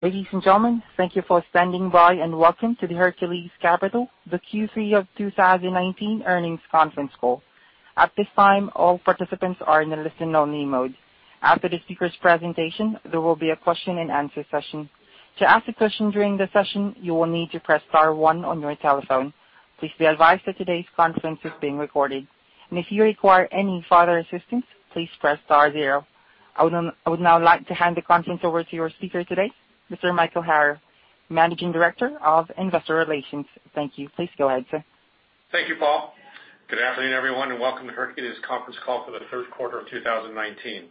Ladies and gentlemen, thank you for standing by, and welcome to the Hercules Capital, the Q3 of 2019 earnings conference call. At this time, all participants are in a listen-only mode. After the speaker's presentation, there will be a question and answer session. To ask a question during the session, you will need to press star one on your telephone. Please be advised that today's conference is being recorded. If you require any further assistance, please press star zero. I would now like to hand the conference over to your speaker today, Mr. Michael Hara, Managing Director of Investor Relations. Thank you. Please go ahead, sir. Thank you, Paul. Good afternoon, everyone, and welcome to Hercules conference call for the third quarter of 2019.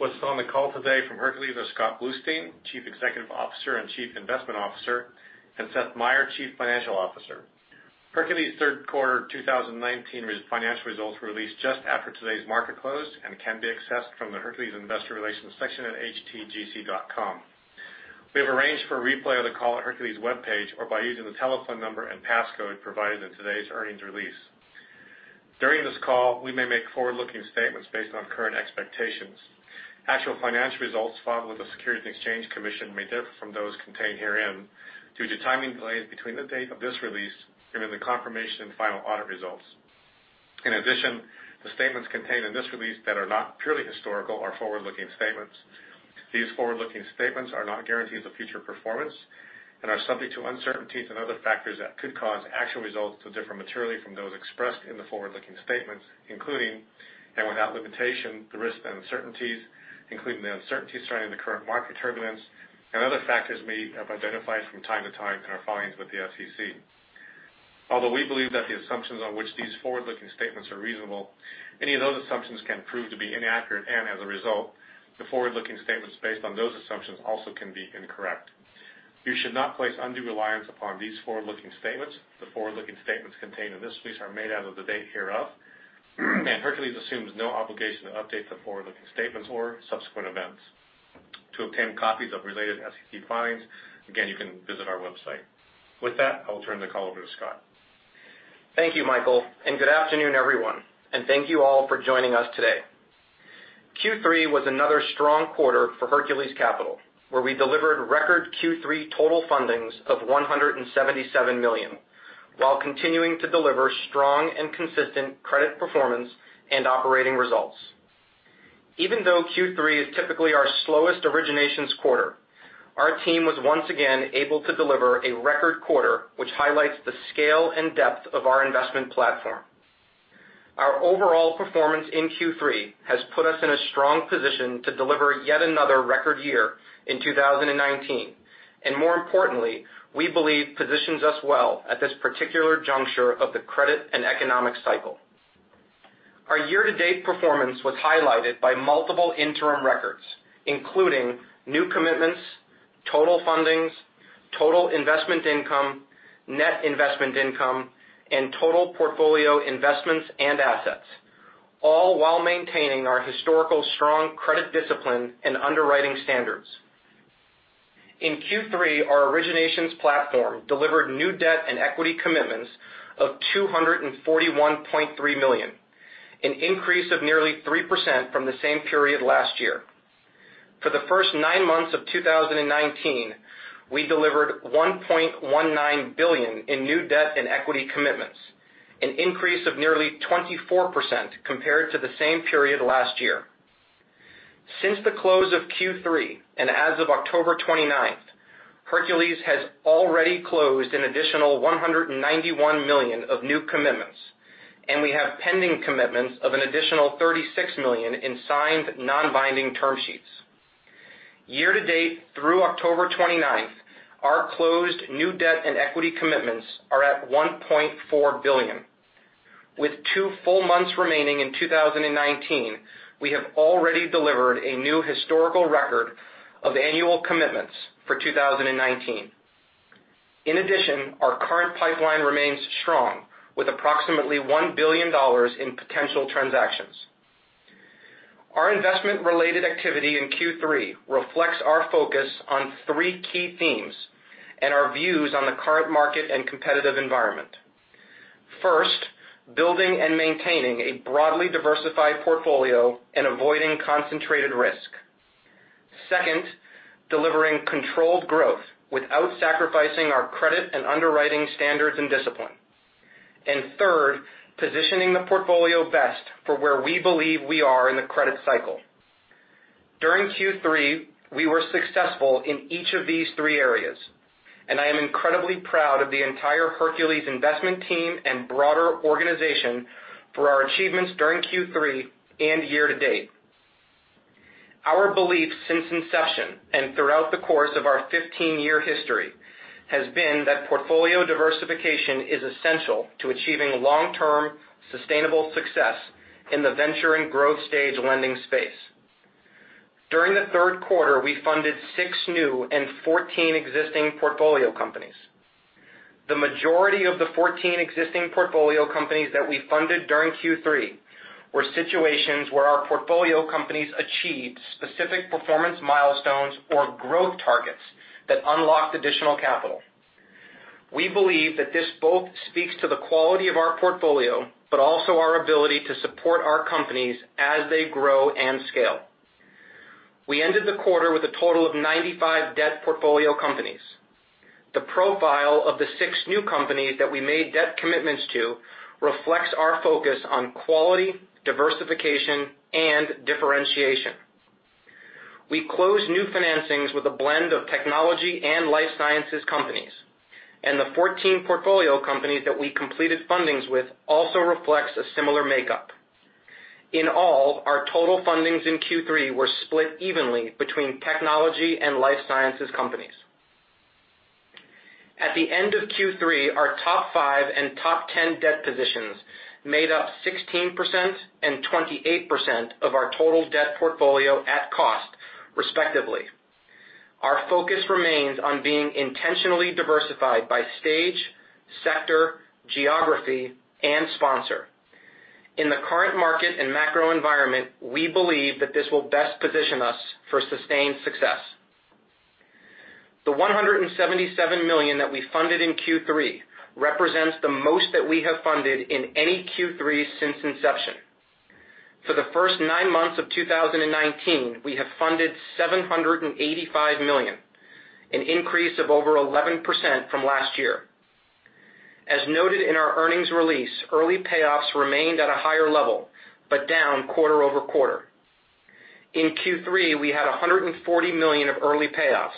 With us on the call today from Hercules are Scott Bluestein, Chief Executive Officer and Chief Investment Officer, and Seth Meyer, Chief Financial Officer. Hercules' third quarter 2019 financial results were released just after today's market close and can be accessed from the Hercules Investor Relations section at htgc.com. We have arranged for a replay of the call at Hercules' webpage or by using the telephone number and passcode provided in today's earnings release. During this call, we may make forward-looking statements based on current expectations. Actual financial results filed with the Securities and Exchange Commission may differ from those contained herein due to timing delays between the date of this release and the confirmation of final audit results. In addition, the statements contained in this release that are not purely historical are forward-looking statements. These forward-looking statements are not guarantees of future performance and are subject to uncertainties and other factors that could cause actual results to differ materially from those expressed in the forward-looking statements, including, and without limitation, the risks and uncertainties, including the uncertainties surrounding the current market turbulence and other factors may have identified from time to time in our filings with the SEC. Although we believe that the assumptions on which these forward-looking statements are reasonable, any of those assumptions can prove to be inaccurate, and as a result, the forward-looking statements based on those assumptions also can be incorrect. You should not place undue reliance upon these forward-looking statements. The forward-looking statements contained in this release are made as of the date hereof, and Hercules assumes no obligation to update the forward-looking statements or subsequent events. To obtain copies of related SEC filings, again, you can visit our website. With that, I will turn the call over to Scott. Thank you, Michael. Good afternoon, everyone, and thank you all for joining us today. Q3 was another strong quarter for Hercules Capital, where we delivered record Q3 total fundings of $177 million while continuing to deliver strong and consistent credit performance and operating results. Even though Q3 is typically our slowest originations quarter, our team was once again able to deliver a record quarter, which highlights the scale and depth of our investment platform. Our overall performance in Q3 has put us in a strong position to deliver yet another record year in 2019, and more importantly, we believe positions us well at this particular juncture of the credit and economic cycle. Our year-to-date performance was highlighted by multiple interim records, including new commitments, total fundings, total investment income, net investment income, and total portfolio investments and assets, all while maintaining our historical strong credit discipline and underwriting standards. In Q3, our originations platform delivered new debt and equity commitments of $241.3 million, an increase of nearly 3% from the same period last year. For the first nine months of 2019, we delivered $1.19 billion in new debt and equity commitments, an increase of nearly 24% compared to the same period last year. Since the close of Q3, and as of October 29th, Hercules has already closed an additional $191 million of new commitments, and we have pending commitments of an additional $36 million in signed non-binding term sheets. Year to date, through October 29th, our closed new debt and equity commitments are at $1.4 billion. With two full months remaining in 2019, we have already delivered a new historical record of annual commitments for 2019. In addition, our current pipeline remains strong with approximately $1 billion in potential transactions. Our investment-related activity in Q3 reflects our focus on three key themes and our views on the current market and competitive environment. First, building and maintaining a broadly diversified portfolio and avoiding concentrated risk. Second, delivering controlled growth without sacrificing our credit and underwriting standards and discipline. Third, positioning the portfolio best for where we believe we are in the credit cycle. During Q3, we were successful in each of these three areas, and I am incredibly proud of the entire Hercules investment team and broader organization for our achievements during Q3 and year to date. Our belief since inception and throughout the course of our 15-year history has been that portfolio diversification is essential to achieving long-term, sustainable success in the venture and growth stage lending space. During the third quarter, we funded six new and 14 existing portfolio companies. The majority of the 14 existing portfolio companies that we funded during Q3 were situations where our portfolio companies achieved specific performance milestones or growth targets that unlocked additional capital. We believe that this both speaks to the quality of our portfolio, but also our ability to support our companies as they grow and scale. We ended the quarter with a total of 95 debt portfolio companies. The profile of the six new companies that we made debt commitments to reflects our focus on quality, diversification, and differentiation. We closed new financings with a blend of technology and life sciences companies, and the 14 portfolio companies that we completed fundings with also reflects a similar makeup. In all, our total fundings in Q3 were split evenly between technology and life sciences companies. At the end of Q3, our top five and top 10 debt positions made up 16% and 28% of our total debt portfolio at cost, respectively. Our focus remains on being intentionally diversified by stage, sector, geography, and sponsor. In the current market and macro environment, we believe that this will best position us for sustained success. The $177 million that we funded in Q3 represents the most that we have funded in any Q3 since inception. For the first nine months of 2019, we have funded $785 million, an increase of over 11% from last year. As noted in our earnings release, early payoffs remained at a higher level, but down quarter-over-quarter. In Q3, we had $140 million of early payoffs,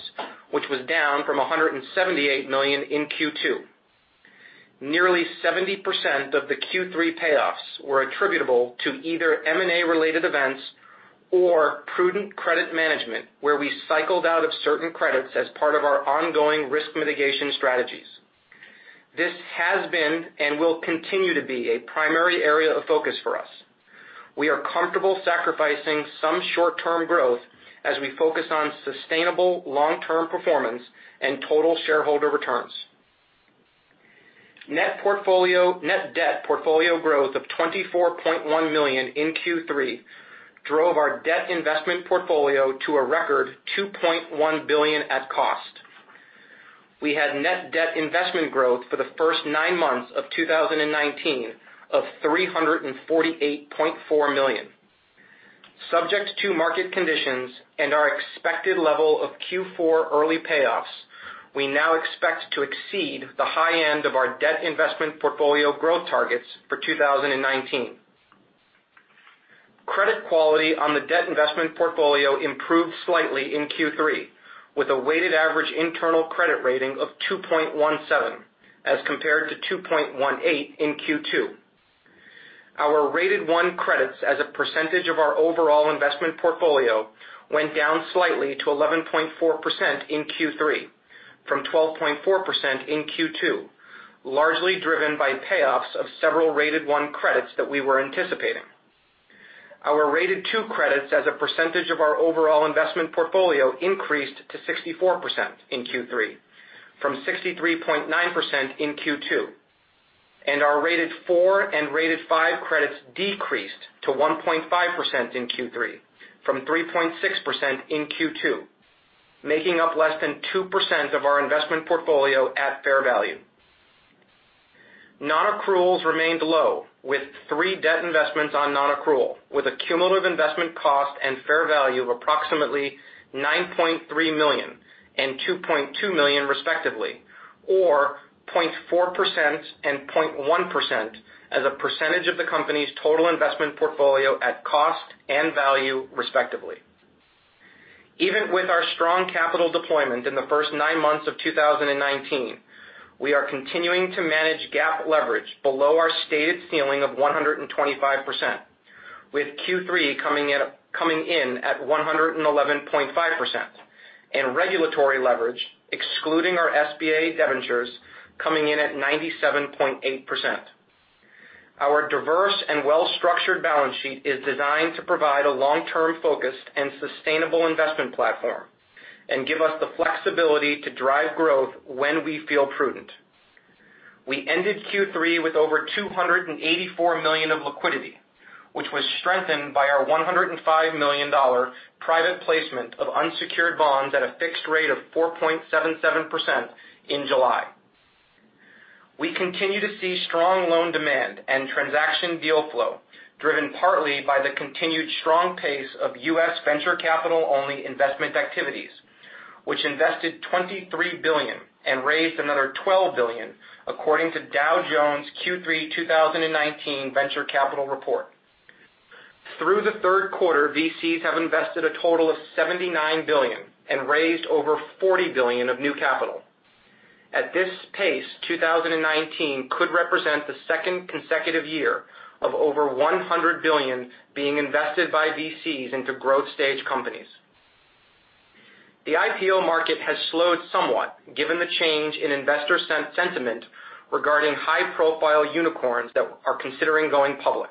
which was down from $178 million in Q2. Nearly 70% of the Q3 payoffs were attributable to either M&A related events or prudent credit management, where we cycled out of certain credits as part of our ongoing risk mitigation strategies. This has been and will continue to be a primary area of focus for us. We are comfortable sacrificing some short-term growth as we focus on sustainable long-term performance and total shareholder returns. Net debt portfolio growth of $24.1 million in Q3 drove our debt investment portfolio to a record $2.1 billion at cost. We had net debt investment growth for the first nine months of 2019 of $348.4 million. Subject to market conditions and our expected level of Q4 early payoffs, we now expect to exceed the high end of our debt investment portfolio growth targets for 2019. Credit quality on the debt investment portfolio improved slightly in Q3, with a weighted average internal credit rating of 2.17 as compared to 2.18 in Q2. Our Rated 1 credits as a percentage of our overall investment portfolio went down slightly to 11.4% in Q3 from 12.4% in Q2, largely driven by payoffs of several Rated 1 credits that we were anticipating. Our Rated 2 credits as a percentage of our overall investment portfolio increased to 64% in Q3 from 63.9% in Q2, and our Rated 4 and Rated 5 credits decreased to 1.5% in Q3 from 3.6% in Q2, making up less than 2% of our investment portfolio at fair value. Non-accruals remained low, with three debt investments on non-accrual, with a cumulative investment cost and fair value of approximately $9.3 million and $2.2 million respectively, or 0.4% and 0.1% as a percentage of the company's total investment portfolio at cost and value, respectively. Even with our strong capital deployment in the first nine months of 2019, we are continuing to manage GAAP leverage below our stated ceiling of 125%, with Q3 coming in at 111.5%, and regulatory leverage, excluding our SBA debentures, coming in at 97.8%. Our diverse and well-structured balance sheet is designed to provide a long-term focused and sustainable investment platform and give us the flexibility to drive growth when we feel prudent. We ended Q3 with over $284 million of liquidity, which was strengthened by our $105 million private placement of unsecured bonds at a fixed rate of 4.77% in July. We continue to see strong loan demand and transaction deal flow driven partly by the continued strong pace of U.S. venture capital-only investment activities, which invested $23 billion and raised another $12 billion, according to Dow Jones' Q3 2019 Venture Capital Report. Through the third quarter, VCs have invested a total of $79 billion and raised over $40 billion of new capital. At this pace, 2019 could represent the second consecutive year of over $100 billion being invested by VCs into growth stage companies. The IPO market has slowed somewhat, given the change in investor sentiment regarding high-profile unicorns that are considering going public.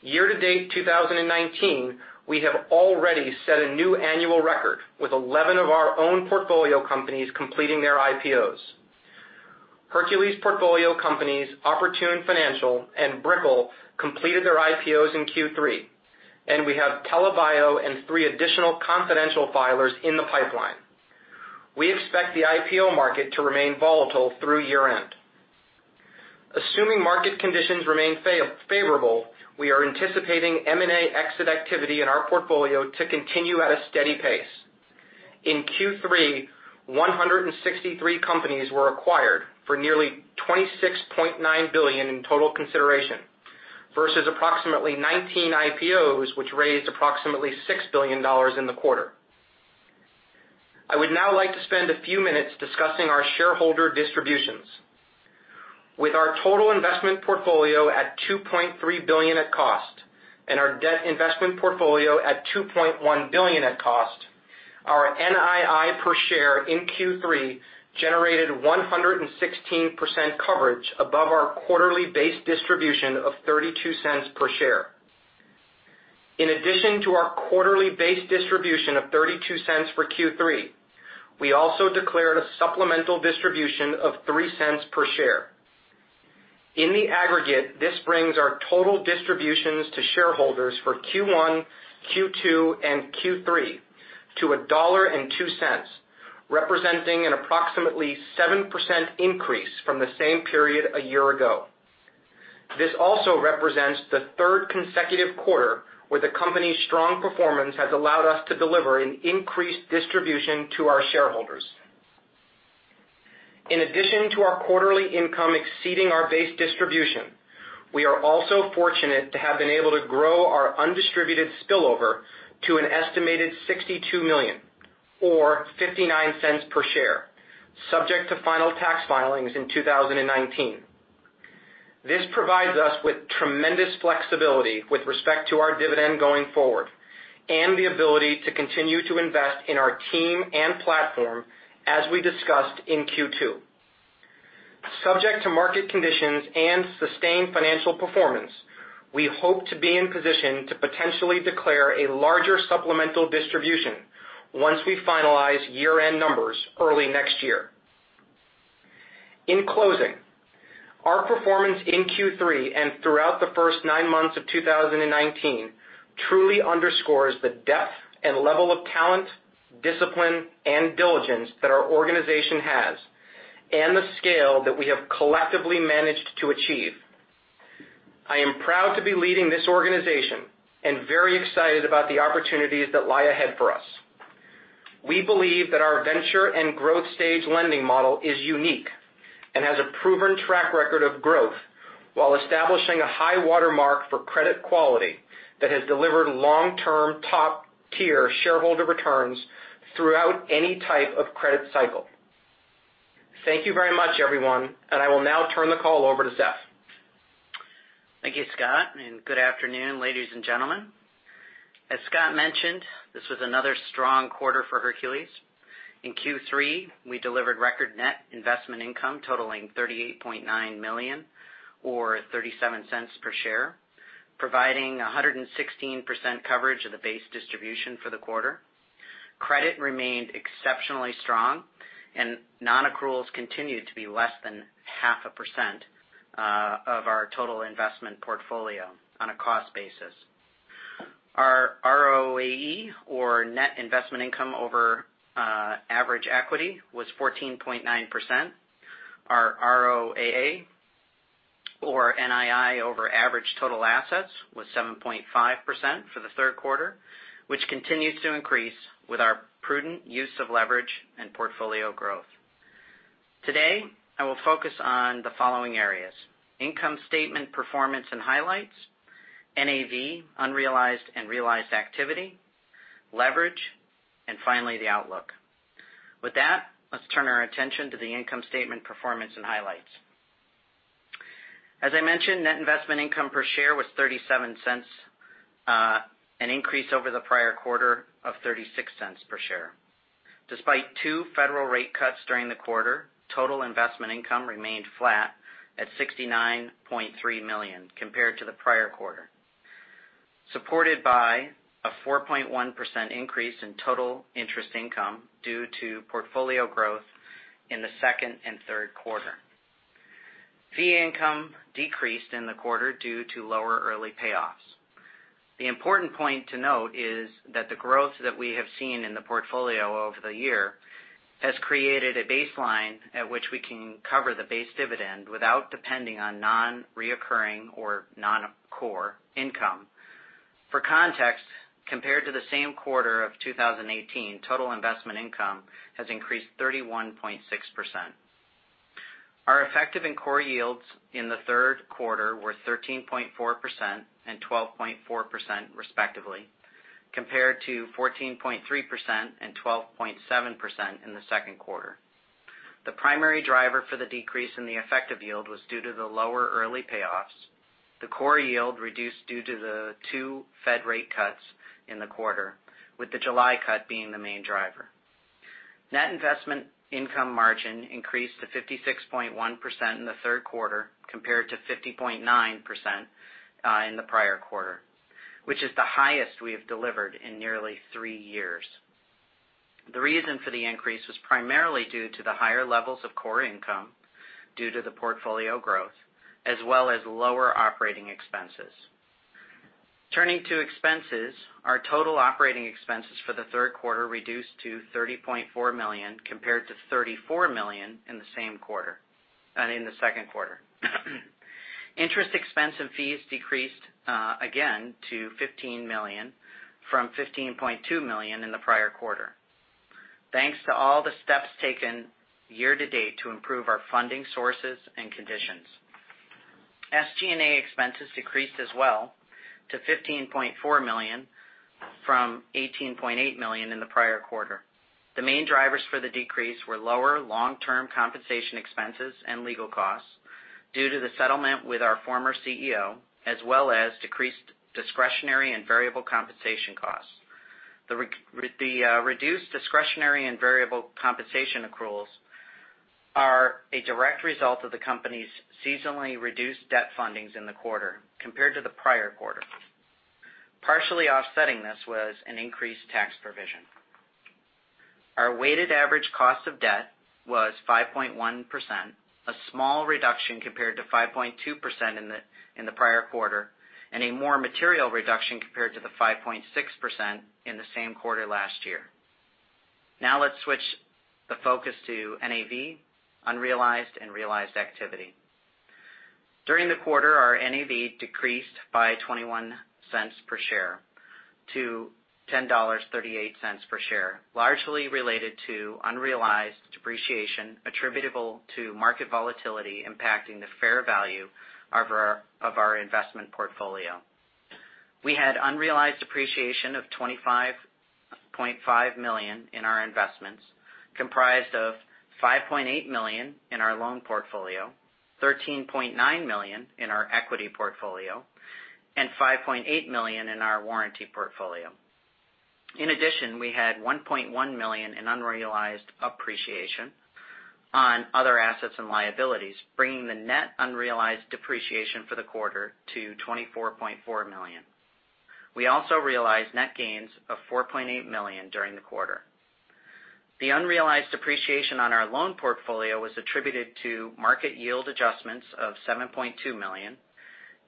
Year to date 2019, we have already set a new annual record with 11 of our own portfolio companies completing their IPOs. Hercules portfolio companies, Oportun Financial and Brickell, completed their IPOs in Q3. We have TELA Bio and three additional confidential filers in the pipeline. We expect the IPO market to remain volatile through year-end. Assuming market conditions remain favorable, we are anticipating M&A exit activity in our portfolio to continue at a steady pace. In Q3, 163 companies were acquired for nearly $26.9 billion in total consideration, versus approximately 19 IPOs, which raised approximately $6 billion in the quarter. I would now like to spend a few minutes discussing our shareholder distributions. With our total investment portfolio at $2.3 billion at cost and our debt investment portfolio at $2.1 billion at cost, our NII per share in Q3 generated 116% coverage above our quarterly base distribution of $0.32 per share. In addition to our quarterly base distribution of $0.32 for Q3, we also declared a supplemental distribution of $0.03 per share. In the aggregate, this brings our total distributions to shareholders for Q1, Q2, and Q3 to $1.02, representing an approximately 7% increase from the same period a year ago. This also represents the third consecutive quarter where the company's strong performance has allowed us to deliver an increased distribution to our shareholders. In addition to our quarterly income exceeding our base distribution, we are also fortunate to have been able to grow our undistributed spillover to an estimated $62 million or $0.59 per share, subject to final tax filings in 2019. This provides us with tremendous flexibility with respect to our dividend going forward and the ability to continue to invest in our team and platform as we discussed in Q2. Subject to market conditions and sustained financial performance, we hope to be in position to potentially declare a larger supplemental distribution once we finalize year-end numbers early next year. In closing, our performance in Q3 and throughout the first nine months of 2019 truly underscores the depth and level of talent, discipline, and diligence that our organization has and the scale that we have collectively managed to achieve. I am proud to be leading this organization and very excited about the opportunities that lie ahead for us. We believe that our venture and growth stage lending model is unique and has a proven track record of growth while establishing a high watermark for credit quality that has delivered long-term, top-tier shareholder returns throughout any type of credit cycle. Thank you very much, everyone, and I will now turn the call over to Seth. Thank you, Scott, and good afternoon, ladies and gentlemen. As Scott mentioned, this was another strong quarter for Hercules. In Q3, we delivered record net investment income totaling $38.9 million, or $0.37 per share, providing 116% coverage of the base distribution for the quarter. Credit remained exceptionally strong and non-accruals continued to be less than half a percent of our total investment portfolio on a cost basis. Our ROAE or net investment income over average equity was 14.9%. Our ROAA or NII over average total assets was 7.5% for the third quarter, which continues to increase with our prudent use of leverage and portfolio growth. Today, I will focus on the following areas: income statement performance and highlights, NAV, unrealized and realized activity, leverage, and finally, the outlook. With that, let's turn our attention to the income statement performance and highlights. As I mentioned, net investment income per share was $0.37, an increase over the prior quarter of $0.36 per share. Despite two Federal rate cuts during the quarter, total investment income remained flat at $69.3 million compared to the prior quarter, supported by a 4.1% increase in total interest income due to portfolio growth in the second and third quarter. Fee income decreased in the quarter due to lower early payoffs. The important point to note is that the growth that we have seen in the portfolio over the year has created a baseline at which we can cover the base dividend without depending on non-recurring or non-core income. For context, compared to the same quarter of 2018, total investment income has increased 31.6%. Our effective and core yields in the third quarter were 13.4% and 12.4% respectively, compared to 14.3% and 12.7% in the second quarter. The primary driver for the decrease in the effective yield was due to the lower early payoffs. The core yield reduced due to the two Fed rate cuts in the quarter, with the July cut being the main driver. Net investment income margin increased to 56.1% in the third quarter compared to 50.9% in the prior quarter, which is the highest we have delivered in nearly three years. The reason for the increase was primarily due to the higher levels of core income due to the portfolio growth, as well as lower operating expenses. Turning to expenses, our total operating expenses for the third quarter reduced to $30.4 million compared to $34 million in the second quarter. Interest expense and fees decreased again to $15 million from $15.2 million in the prior quarter. Thanks to all the steps taken year to date to improve our funding sources and conditions. SG&A expenses decreased as well to $15.4 million from $18.8 million in the prior quarter. The main drivers for the decrease were lower long-term compensation expenses and legal costs due to the settlement with our former CEO, as well as decreased discretionary and variable compensation costs. The reduced discretionary and variable compensation accruals are a direct result of the company's seasonally reduced debt fundings in the quarter compared to the prior quarter. Partially offsetting this was an increased tax provision. Our weighted average cost of debt was 5.1%, a small reduction compared to 5.2% in the prior quarter, and a more material reduction compared to the 5.6% in the same quarter last year. Now let's switch the focus to NAV, unrealized, and realized activity. During the quarter, our NAV decreased by $0.21 per share to $10.38 per share, largely related to unrealized depreciation attributable to market volatility impacting the fair value of our investment portfolio. We had unrealized appreciation of $25.5 million in our investments, comprised of $5.8 million in our loan portfolio, $13.9 million in our equity portfolio, and $5.8 million in our warranty portfolio. We had $1.1 million in unrealized appreciation on other assets and liabilities, bringing the net unrealized depreciation for the quarter to $24.4 million. We also realized net gains of $4.8 million during the quarter. The unrealized depreciation on our loan portfolio was attributed to market yield adjustments of $7.2 million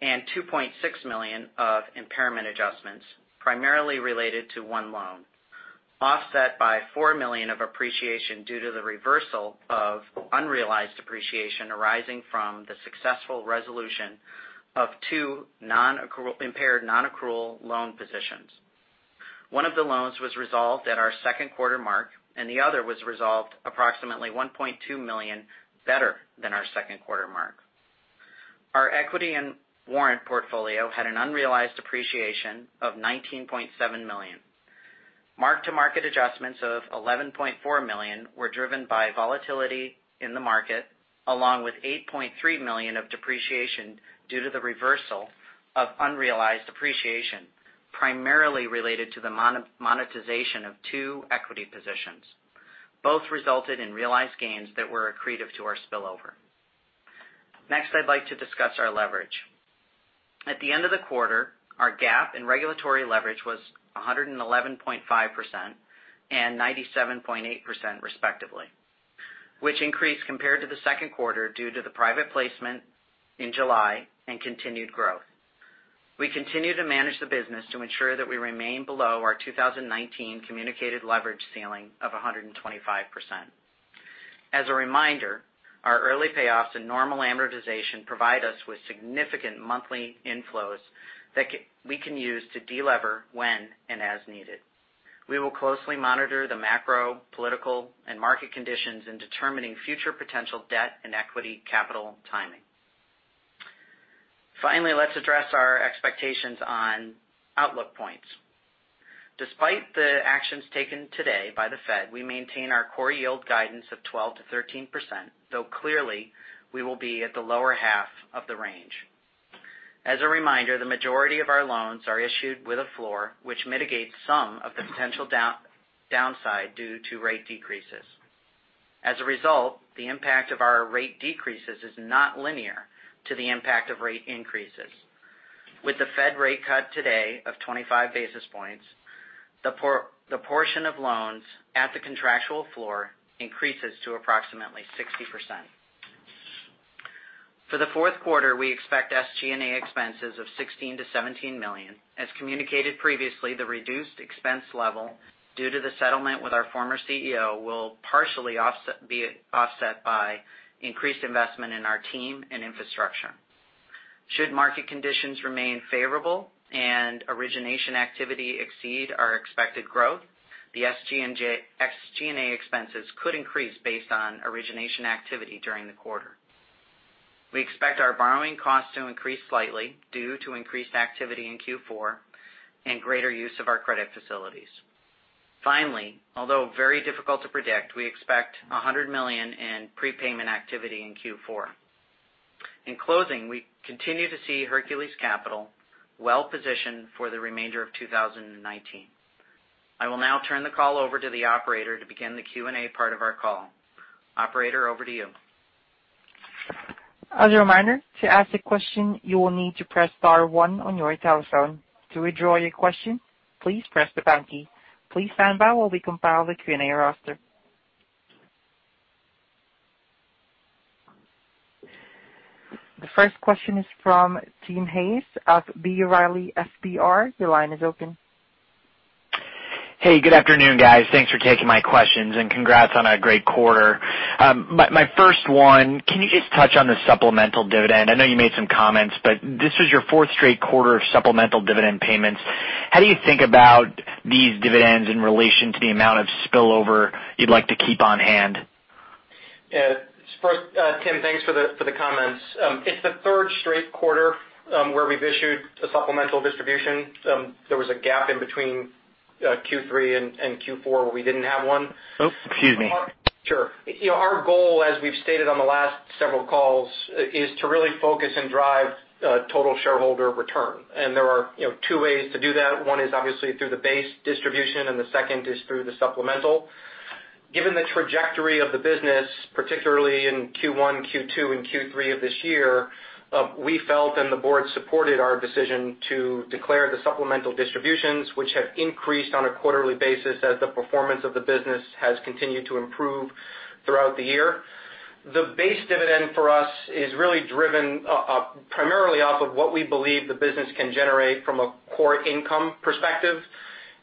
and $2.6 million of impairment adjustments, primarily related to one loan, offset by $4 million of appreciation due to the reversal of unrealized appreciation arising from the successful resolution of two impaired non-accrual loan positions. One of the loans was resolved at our second quarter mark, and the other was resolved approximately $1.2 million better than our second quarter mark. Our equity and warrant portfolio had an unrealized appreciation of $19.7 million. Mark-to-market adjustments of $11.4 million were driven by volatility in the market, along with $8.3 million of depreciation due to the reversal of unrealized appreciation, primarily related to the monetization of two equity positions. Both resulted in realized gains that were accretive to our spillover. Next, I'd like to discuss our leverage. At the end of the quarter, our GAAP and regulatory leverage was 111.5% and 97.8% respectively, which increased compared to the second quarter due to the private placement in July and continued growth. We continue to manage the business to ensure that we remain below our 2019 communicated leverage ceiling of 125%. As a reminder, our early payoffs and normal amortization provide us with significant monthly inflows that we can use to de-lever when and as needed. We will closely monitor the macro, political, and market conditions in determining future potential debt and equity capital timing. Finally, let's address our expectations on outlook points. Despite the actions taken today by the Fed, we maintain our core yield guidance of 12%-13%, though clearly, we will be at the lower half of the range. As a reminder, the majority of our loans are issued with a floor, which mitigates some of the potential downside due to rate decreases. As a result, the impact of our rate decreases is not linear to the impact of rate increases. With the Fed rate cut today of 25 basis points, the portion of loans at the contractual floor increases to approximately 60%. For the fourth quarter, we expect SG&A expenses of $16 million-$17 million. As communicated previously, the reduced expense level due to the settlement with our former CEO will partially be offset by increased investment in our team and infrastructure. Should market conditions remain favorable and origination activity exceed our expected growth, the SG&A expenses could increase based on origination activity during the quarter. We expect our borrowing costs to increase slightly due to increased activity in Q4 and greater use of our credit facilities. Finally, although very difficult to predict, we expect $100 million in prepayment activity in Q4. In closing, we continue to see Hercules Capital well-positioned for the remainder of 2019. I will now turn the call over to the operator to begin the Q&A part of our call. Operator, over to you. As a reminder, to ask a question, you will need to press star one on your telephone. To withdraw your question, please press the pound key. Please stand by while we compile the Q&A roster. The first question is from Timothy Hayes of B. Riley FBR. Your line is open. Hey, good afternoon, guys. Thanks for taking my questions and congrats on a great quarter. My first one, can you just touch on the supplemental dividend? I know you made some comments, but this was your fourth straight quarter of supplemental dividend payments. How do you think about these dividends in relation to the amount of spillover you'd like to keep on hand? Yeah. Tim, thanks for the comments. It's the third straight quarter where we've issued a supplemental distribution. There was a gap in between Q3 and Q4 where we didn't have one. Oh, excuse me. Sure. Our goal, as we've stated on the last several calls, is to really focus and drive total shareholder return. There are two ways to do that. One is obviously through the base distribution, and the second is through the supplemental. Given the trajectory of the business, particularly in Q1, Q2, and Q3 of this year, we felt, and the board supported our decision to declare the supplemental distributions, which have increased on a quarterly basis as the performance of the business has continued to improve throughout the year. The base dividend for us is really driven primarily off of what we believe the business can generate from a core income perspective.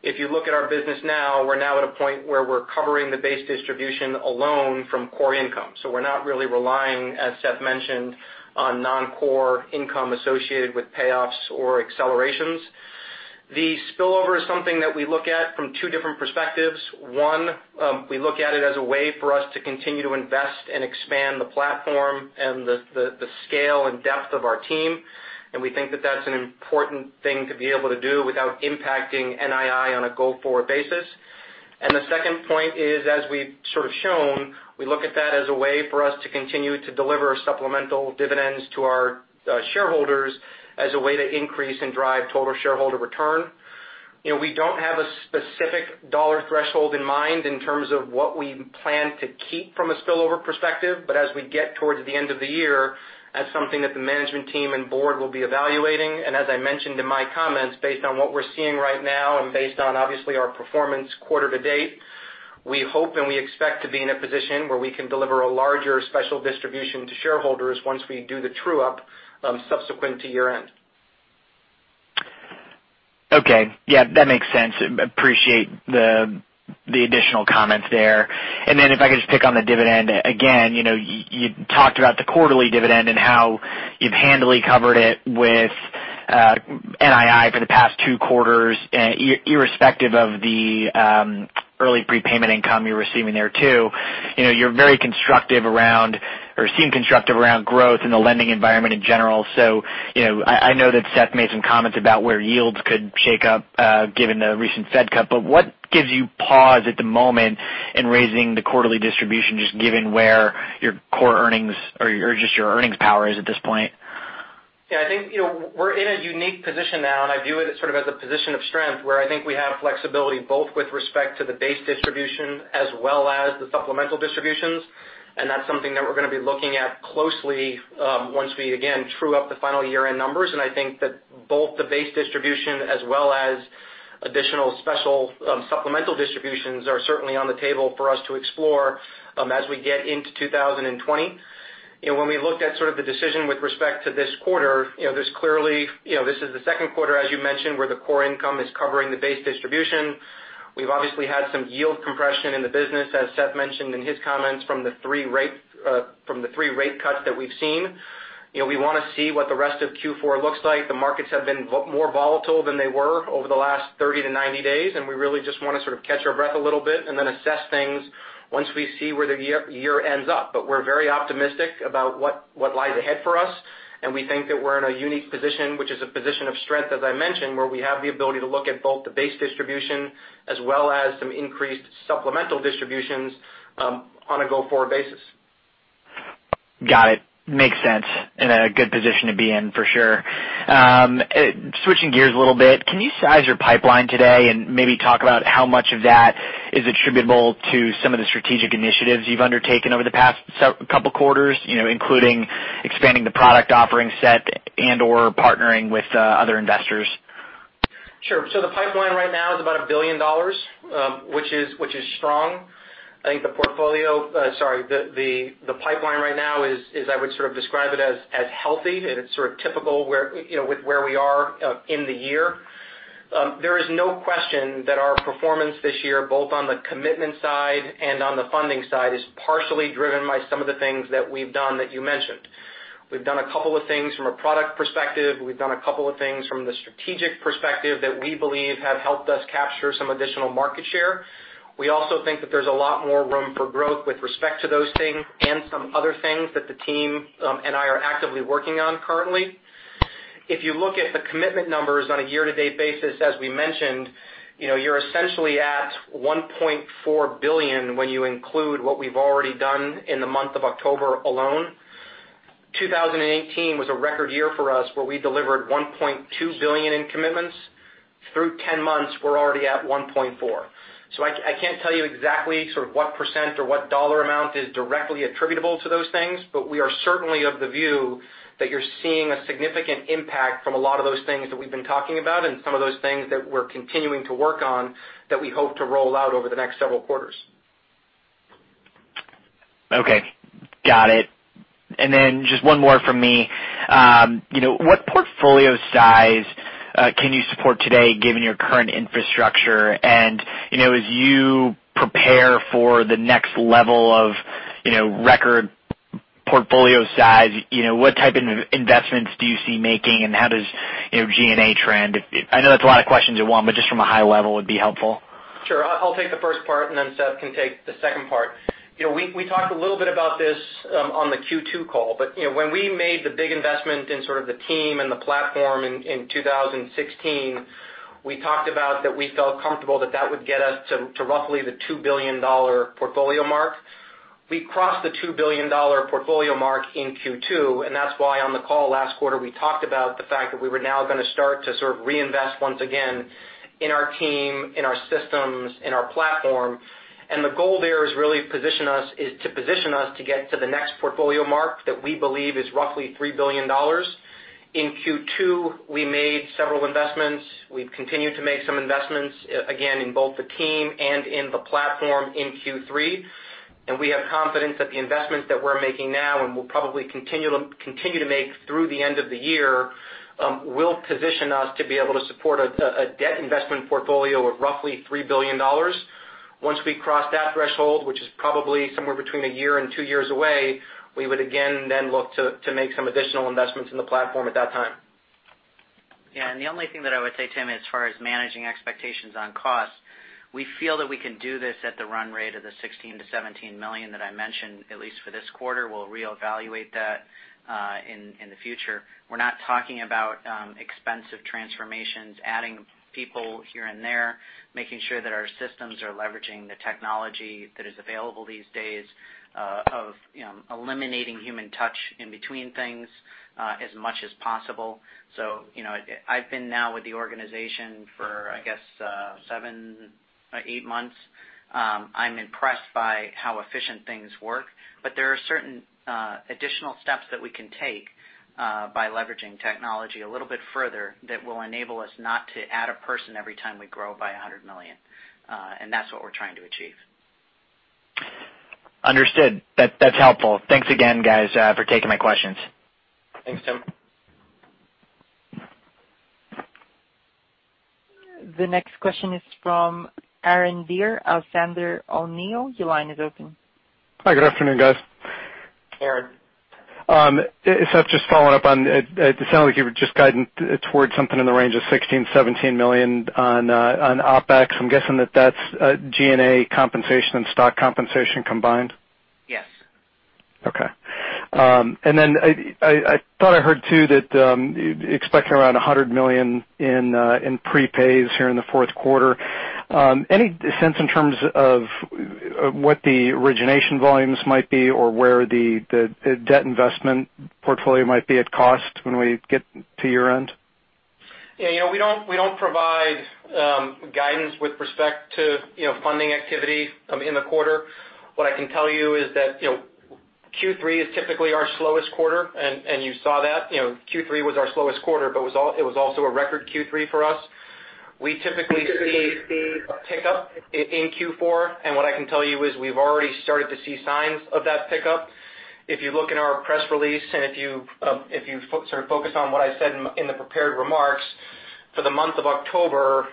If you look at our business now, we're now at a point where we're covering the base distribution alone from core income. We're not really relying, as Seth mentioned, on non-core income associated with payoffs or accelerations. The spillover is something that we look at from two different perspectives. One, we look at it as a way for us to continue to invest and expand the platform and the scale and depth of our team. We think that that's an important thing to be able to do without impacting NII on a go-forward basis. The second point is, as we've sort of shown, we look at that as a way for us to continue to deliver supplemental dividends to our shareholders as a way to increase and drive total shareholder return. We don't have a specific dollar threshold in mind in terms of what we plan to keep from a spillover perspective. As we get towards the end of the year, that's something that the management team and board will be evaluating. As I mentioned in my comments, based on what we're seeing right now and based on obviously our performance quarter to date, we hope and we expect to be in a position where we can deliver a larger special distribution to shareholders once we do the true-up subsequent to year-end. Okay. Yeah, that makes sense. Appreciate the additional comments there. If I could just pick on the dividend again. You talked about the quarterly dividend and how you've handily covered it with NII for the past two quarters, irrespective of the early prepayment income you're receiving there too. You're very constructive around or seem constructive around growth in the lending environment in general. I know that Seth made some comments about where yields could shake up given the recent Fed cut. What gives you pause at the moment in raising the quarterly distribution, just given where your core earnings or just your earnings power is at this point? Yeah, I think we're in a unique position now, and I view it sort of as a position of strength where I think we have flexibility both with respect to the base distribution as well as the supplemental distributions. That's something that we're going to be looking at closely once we again true up the final year-end numbers. I think that both the base distribution as well as additional special supplemental distributions are certainly on the table for us to explore as we get into 2020. When we looked at sort of the decision with respect to this quarter, this is the second quarter, as you mentioned, where the core income is covering the base distribution. We've obviously had some yield compression in the business, as Seth mentioned in his comments from the three rate cuts that we've seen. We want to see what the rest of Q4 looks like. The markets have been more volatile than they were over the last 30-90 days. We really just want to sort of catch our breath a little bit and then assess things once we see where the year ends up. We're very optimistic about what lies ahead for us. We think that we're in a unique position, which is a position of strength, as I mentioned, where we have the ability to look at both the base distribution as well as some increased supplemental distributions on a go-forward basis. Got it. Makes sense. In a good position to be in for sure. Switching gears a little bit, can you size your pipeline today and maybe talk about how much of that is attributable to some of the strategic initiatives you've undertaken over the past couple quarters, including expanding the product offering set and/or partnering with other investors? Sure. The pipeline right now is about $1 billion, which is strong. I think sorry, the pipeline right now is I would sort of describe it as healthy. It's sort of typical with where we are in the year. There is no question that our performance this year, both on the commitment side and on the funding side, is partially driven by some of the things that we've done that you mentioned. We've done a couple of things from a product perspective. We've done a couple of things from the strategic perspective that we believe have helped us capture some additional market share. We also think that there's a lot more room for growth with respect to those things and some other things that the team and I are actively working on currently. If you look at the commitment numbers on a year-to-date basis, as we mentioned, you're essentially at $1.4 billion when you include what we've already done in the month of October alone. 2018 was a record year for us where we delivered $1.2 billion in commitments. Through 10 months, we're already at $1.4 billion. I can't tell you exactly sort of what % or what dollar amount is directly attributable to those things, but we are certainly of the view that you're seeing a significant impact from a lot of those things that we've been talking about and some of those things that we're continuing to work on that we hope to roll out over the next several quarters. Okay, got it. Just one more from me. What portfolio size can you support today given your current infrastructure? As you prepare for the next level of record portfolio size, what type of investments do you see making, and how does G&A trend? I know that's a lot of questions in one, just from a high level would be helpful. Sure. I'll take the first part, and then Seth can take the second part. When we made the big investment in sort of the team and the platform in 2016, we talked about that we felt comfortable that that would get us to roughly the $2 billion portfolio mark. We crossed the $2 billion portfolio mark in Q2, and that's why on the call last quarter, we talked about the fact that we were now going to start to sort of reinvest once again in our team, in our systems, in our platform. The goal there is to position us to get to the next portfolio mark that we believe is roughly $3 billion. In Q2, we made several investments. We've continued to make some investments, again, in both the team and in the platform in Q3. We have confidence that the investments that we're making now and we'll probably continue to make through the end of the year will position us to be able to support a debt investment portfolio of roughly $3 billion. Once we cross that threshold, which is probably somewhere between one year and two years away, we would again then look to make some additional investments in the platform at that time. The only thing that I would say, Tim, as far as managing expectations on cost, we feel that we can do this at the run rate of the $16 million-$17 million that I mentioned, at least for this quarter. We'll reevaluate that in the future. We're not talking about expensive transformations, adding people here and there, making sure that our systems are leveraging the technology that is available these days of eliminating human touch in between things as much as possible. I've been now with the organization for, I guess, seven or eight months. I'm impressed by how efficient things work. There are certain additional steps that we can take by leveraging technology a little bit further that will enable us not to add a person every time we grow by $100 million. That's what we're trying to achieve. Understood. That's helpful. Thanks again, guys, for taking my questions. Thanks, Tim. The next question is from Aaron Deer of Sandler O'Neill + Partners. Your line is open. Hi. Good afternoon, guys. Aaron. Seth, just following up on it sounded like you were just guiding towards something in the range of $16 million, $17 million on OpEx. I'm guessing that that's G&A compensation and stock compensation combined? Yes. Okay. I thought I heard too that you're expecting around $100 million in prepays here in the fourth quarter. Any sense in terms of what the origination volumes might be or where the debt investment portfolio might be at cost when we get to year-end? Yeah, we don't provide guidance with respect to funding activity in the quarter. What I can tell you is that Q3 is typically our slowest quarter. You saw that. Q3 was our slowest quarter, it was also a record Q3 for us. We typically see a pickup in Q4. What I can tell you is we've already started to see signs of that pickup. If you look in our press release, if you sort of focus on what I said in the prepared remarks, for the month of October,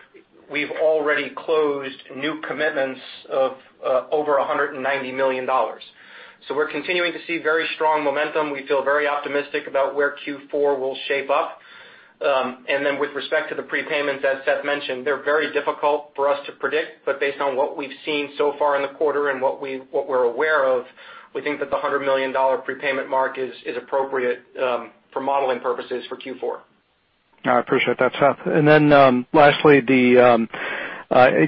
we've already closed new commitments of over $190 million. We're continuing to see very strong momentum. We feel very optimistic about where Q4 will shape up. With respect to the prepayments, as Seth mentioned, they're very difficult for us to predict. Based on what we've seen so far in the quarter and what we're aware of, we think that the $100 million prepayment mark is appropriate for modeling purposes for Q4. I appreciate that, Seth. Lastly,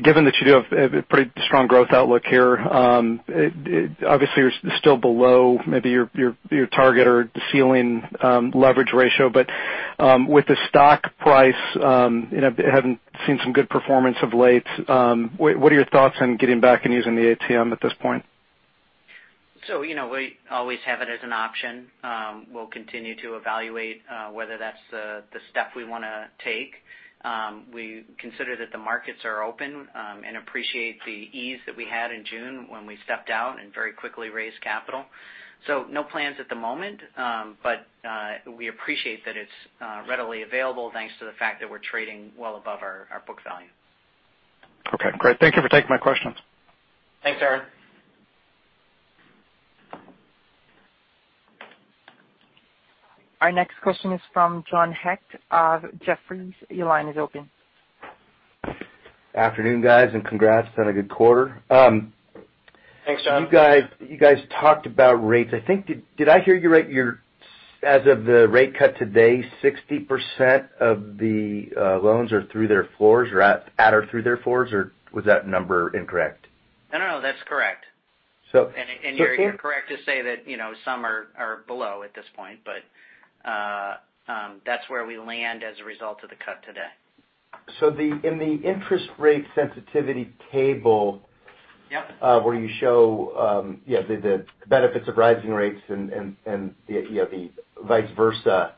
given that you do have a pretty strong growth outlook here, obviously you're still below maybe your target or the ceiling leverage ratio. With the stock price having seen some good performance of late, what are your thoughts on getting back and using the ATM at this point? We always have it as an option. We'll continue to evaluate whether that's the step we want to take. We consider that the markets are open and appreciate the ease that we had in June when we stepped out and very quickly raised capital. No plans at the moment but we appreciate that it's readily available thanks to the fact that we're trading well above our book value. Okay, great. Thank you for taking my questions. Thanks, Aaron. Our next question is from John Hecht of Jefferies. Your line is open. Afternoon, guys, and congrats on a good quarter. Thanks, John. You guys talked about rates. I think, did I hear you right, as of the rate cut today, 60% of the loans are through their floors or at or through their floors, or was that number incorrect? No, that's correct. You're correct to say that some are below at this point, but that's where we land as a result of the cut today. in the interest rate sensitivity table Yep where you show the benefits of rising rates and the vice versa.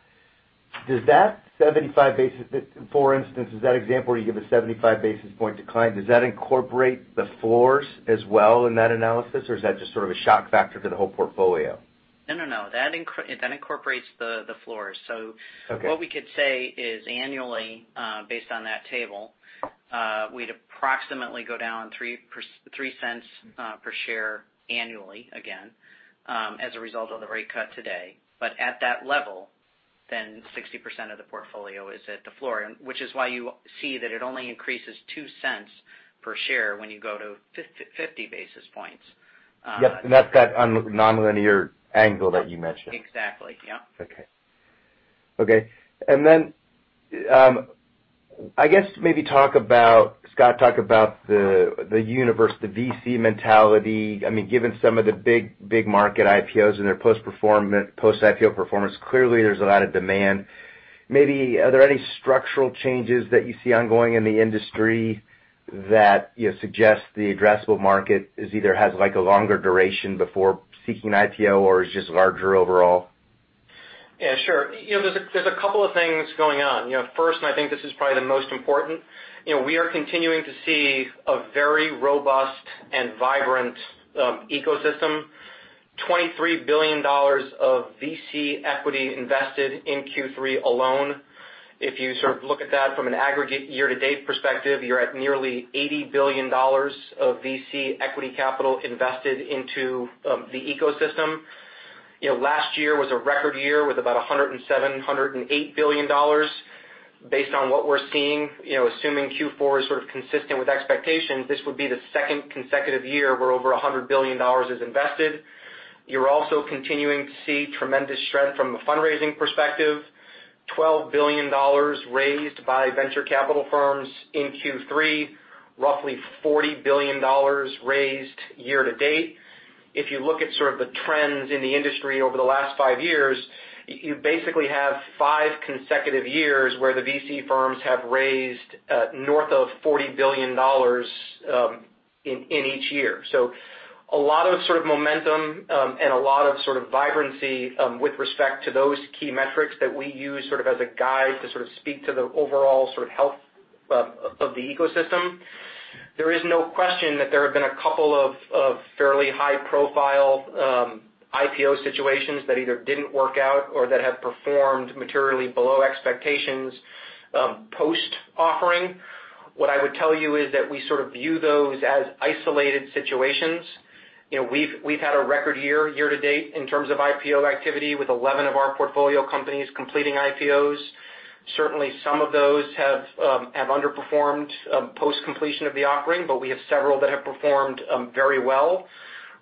For instance, is that example where you give a 75 basis point decline, does that incorporate the floors as well in that analysis, or is that just sort of a shock factor to the whole portfolio? No, no. That incorporates the floors. Okay. What we could say is annually, based on that table, we'd approximately go down $0.03 per share annually, again, as a result of the rate cut today. At that level, 60% of the portfolio is at the floor, which is why you see that it only increases $0.02 per share when you go to 50 basis points. Yep. That's that nonlinear angle that you mentioned. Exactly. Yep. Okay. I guess maybe Scott, talk about the universe, the VC mentality. Given some of the big market IPOs and their post-IPO performance, clearly there's a lot of demand. Maybe are there any structural changes that you see ongoing in the industry that suggest the addressable market either has a longer duration before seeking an IPO or is just larger overall? Yeah, sure. There's a couple of things going on. First, and I think this is probably the most important, we are continuing to see a very robust and vibrant ecosystem, $23 billion of VC equity invested in Q3 alone. If you sort of look at that from an aggregate year-to-date perspective, you're at nearly $80 billion of VC equity capital invested into the ecosystem. Last year was a record year with about $107 billion-$108 billion. Based on what we're seeing, assuming Q4 is sort of consistent with expectations, this would be the second consecutive year where over $100 billion is invested. You're also continuing to see tremendous strength from a fundraising perspective. $12 billion raised by venture capital firms in Q3, roughly $40 billion raised year to date. If you look at sort of the trends in the industry over the last five years, you basically have five consecutive years where the VC firms have raised north of $40 billion in each year. A lot of sort of momentum, and a lot of sort of vibrancy with respect to those key metrics that we use sort of as a guide to sort of speak to the overall sort of health of the ecosystem. There is no question that there have been a couple of fairly high profile IPO situations that either didn't work out or that have performed materially below expectations post-offering. What I would tell you is that we sort of view those as isolated situations. We've had a record year to date in terms of IPO activity with 11 of our portfolio companies completing IPOs. Certainly, some of those have underperformed post-completion of the offering, but we have several that have performed very well.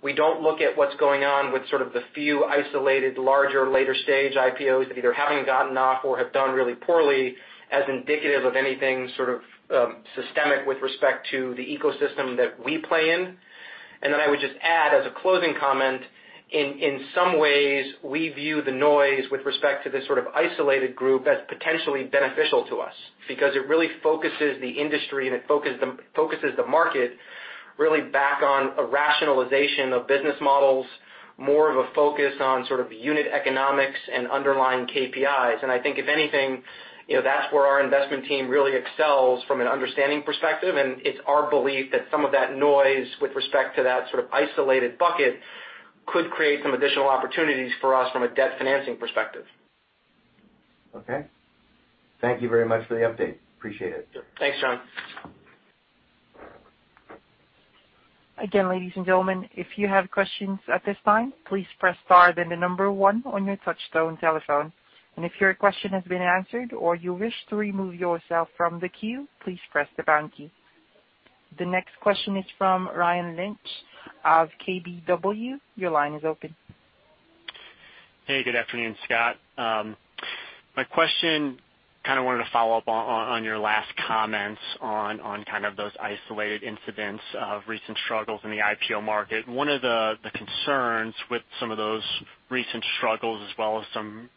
We don't look at what's going on with sort of the few isolated, larger, later stage IPOs that either haven't gotten off or have done really poorly as indicative of anything sort of systemic with respect to the ecosystem that we play in. I would just add as a closing comment, in some ways, we view the noise with respect to this sort of isolated group as potentially beneficial to us because it really focuses the industry and it focuses the market really back on a rationalization of business models, more of a focus on sort of unit economics and underlying KPIs. I think if anything, that's where our investment team really excels from an understanding perspective. It's our belief that some of that noise with respect to that sort of isolated bucket could create some additional opportunities for us from a debt financing perspective. Okay. Thank you very much for the update. Appreciate it. Sure. Thanks, John. Again, ladies and gentlemen, if you have questions at this time, please press star then the number one on your touchtone telephone. If your question has been answered or you wish to remove yourself from the queue, please press the pound key. The next question is from Ryan Lynch of KBW. Your line is open. Hey, good afternoon, Scott. My question, kind of wanted to follow up on your last comments on kind of those isolated incidents of recent struggles in the IPO market. One of the concerns with some of those recent struggles, as well as some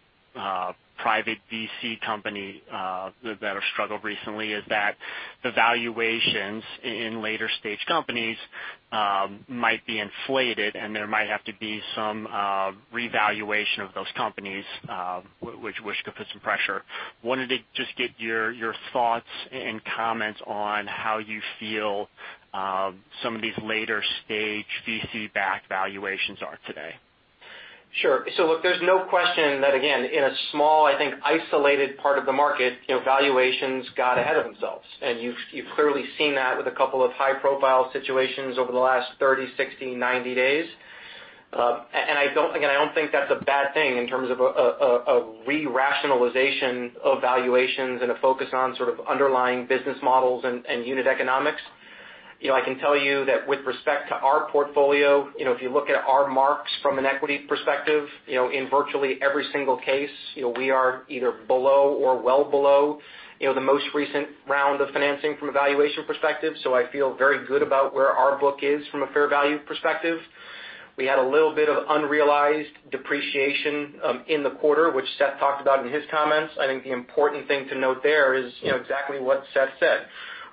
private VC company that have struggled recently, is that the valuations in later stage companies might be inflated and there might have to be some revaluation of those companies, which could put some pressure. Wanted to just get your thoughts and comments on how you feel some of these later stage VC-backed valuations are today. Sure. Look, there's no question that again, in a small, I think, isolated part of the market, valuations got ahead of themselves. You've clearly seen that with a couple of high profile situations over the last 30, 60, 90 days. I don't think that's a bad thing in terms of a re-rationalization of valuations and a focus on sort of underlying business models and unit economics. I can tell you that with respect to our portfolio, if you look at our marks from an equity perspective, in virtually every single case, we are either below or well below the most recent round of financing from a valuation perspective. We had a little bit of unrealized depreciation in the quarter, which Seth talked about in his comments. I think the important thing to note there is exactly what Seth said.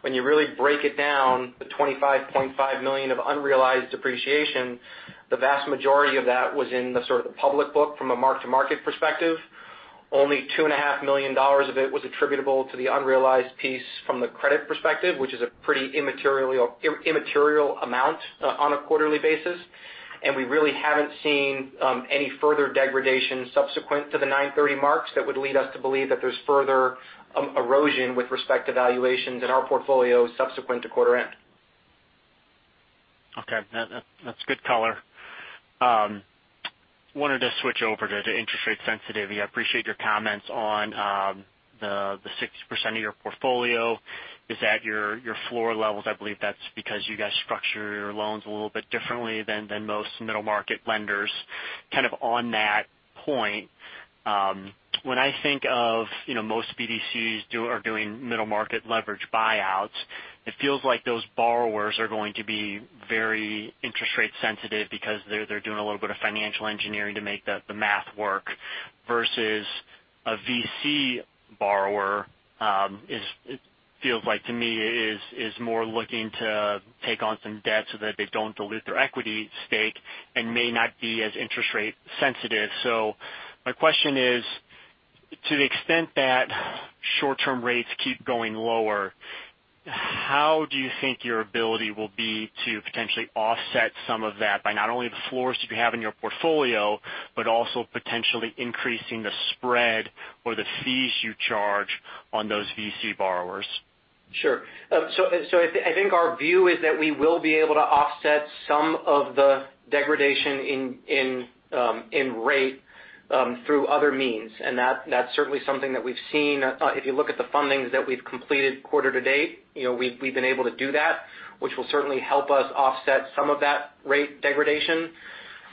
When you really break it down, the $25.5 million of unrealized depreciation, the vast majority of that was in the sort of public book from a mark-to-market perspective. Only $2.5 million of it was attributable to the unrealized piece from the credit perspective, which is a pretty immaterial amount on a quarterly basis. We really haven't seen any further degradation subsequent to the 9/30 marks that would lead us to believe that there's further erosion with respect to valuations in our portfolio subsequent to quarter end. Okay. That's good color. Wanted to switch over to interest rate sensitivity. I appreciate your comments on the 60% of your portfolio is at your floor levels. I believe that's because you guys structure your loans a little bit differently than most middle-market lenders. Kind of on that point, when I think of most BDCs are doing middle-market leverage buyouts, it feels like those borrowers are going to be very interest rate sensitive because they're doing a little bit of financial engineering to make the math work, versus a VC borrower, it feels like to me is more looking to take on some debt so that they don't dilute their equity stake and may not be as interest rate sensitive. My question is, to the extent that short-term rates keep going lower, how do you think your ability will be to potentially offset some of that by not only the floors you have in your portfolio, but also potentially increasing the spread or the fees you charge on those VC borrowers? Sure. I think our view is that we will be able to offset some of the degradation in rate through other means, and that's certainly something that we've seen. If you look at the fundings that we've completed quarter to date, we've been able to do that, which will certainly help us offset some of that rate degradation.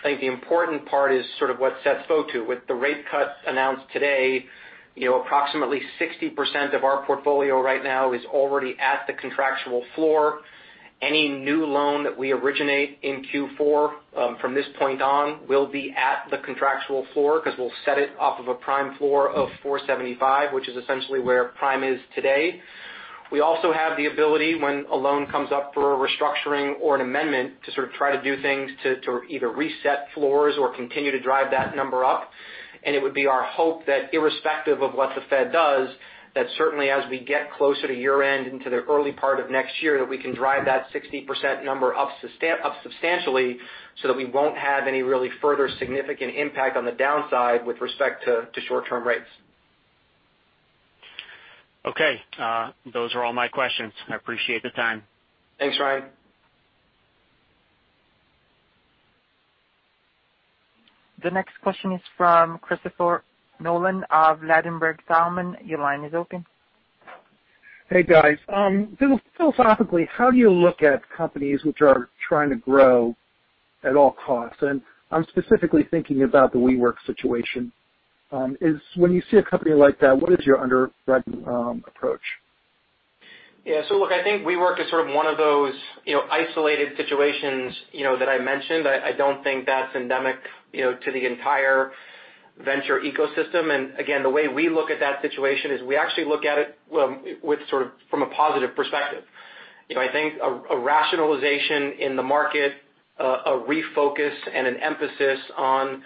I think the important part is sort of what Seth spoke to. With the rate cut announced today, approximately 60% of our portfolio right now is already at the contractual floor. Any new loan that we originate in Q4 from this point on will be at the contractual floor because we'll set it off of a prime floor of 475, which is essentially where prime is today. We also have the ability, when a loan comes up for a restructuring or an amendment, to sort of try to do things to either reset floors or continue to drive that number up. It would be our hope that irrespective of what the Fed does, that certainly as we get closer to year-end into the early part of next year, that we can drive that 60% number up substantially so that we won't have any really further significant impact on the downside with respect to short-term rates. Okay. Those are all my questions. I appreciate the time. Thanks, Ryan. The next question is from Christopher Nolan of Ladenburg Thalmann. Your line is open. Hey, guys. Philosophically, how do you look at companies which are trying to grow at all costs? I'm specifically thinking about the WeWork situation. When you see a company like that, what is your underwriting approach? Yeah. Look, I think WeWork is sort of one of those isolated situations that I mentioned. I don't think that's endemic to the entire venture ecosystem. Again, the way we look at that situation is we actually look at it from a positive perspective. I think a rationalization in the market, a refocus and an emphasis on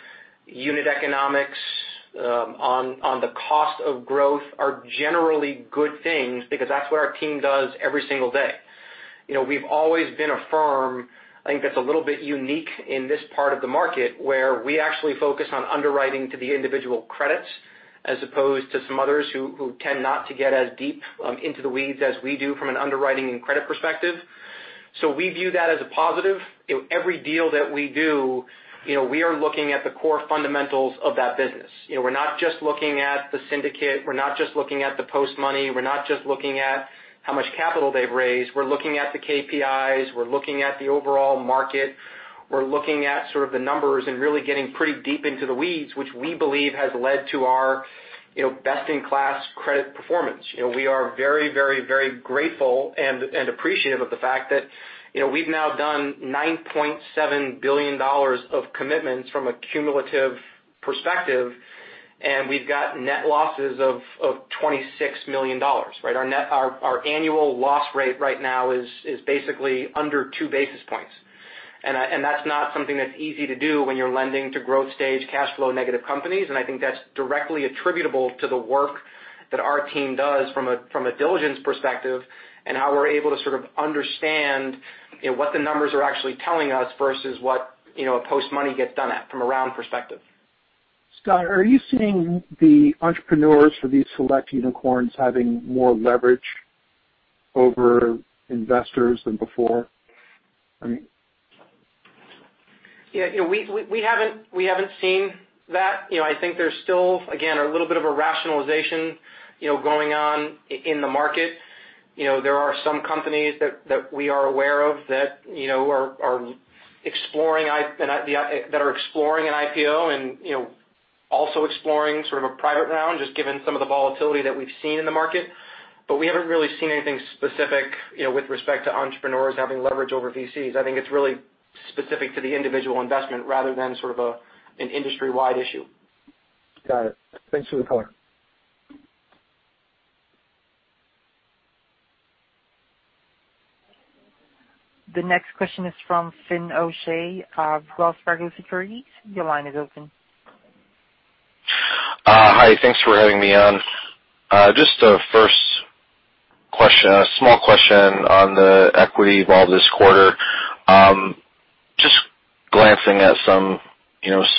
unit economics, on the cost of growth are generally good things because that's what our team does every single day. We've always been a firm, I think, that's a little bit unique in this part of the market, where we actually focus on underwriting to the individual credits as opposed to some others who tend not to get as deep into the weeds as we do from an underwriting and credit perspective. We view that as a positive. Every deal that we do, we are looking at the core fundamentals of that business. We're not just looking at the syndicate, we're not just looking at the post money, we're not just looking at how much capital they've raised. We're looking at the KPIs, we're looking at the overall market, we're looking at sort of the numbers and really getting pretty deep into the weeds, which we believe has led to our best-in-class credit performance. We are very grateful and appreciative of the fact that we've now done $9.7 billion of commitments from a cumulative perspective, and we've got net losses of $26 million. Our annual loss rate right now is basically under two basis points. That's not something that's easy to do when you're lending to growth-stage, cash flow-negative companies. I think that's directly attributable to the work that our team does from a diligence perspective and how we're able to sort of understand what the numbers are actually telling us versus what a post money gets done at from a round perspective. Scott, are you seeing the entrepreneurs for these select unicorns having more leverage over investors than before? Yeah, we haven't seen that. I think there's still, again, a little bit of a rationalization going on in the market. There are some companies that we are aware of that are exploring an IPO and also exploring sort of a private round, just given some of the volatility that we've seen in the market. We haven't really seen anything specific with respect to entrepreneurs having leverage over VCs. I think it's really specific to the individual investment rather than sort of an industry-wide issue. Got it. Thanks for the color. The next question is from Finian O'Shea of Wells Fargo Securities. Your line is open. Hi, thanks for having me on. Just a first small question on the equity vol this quarter. Just glancing at some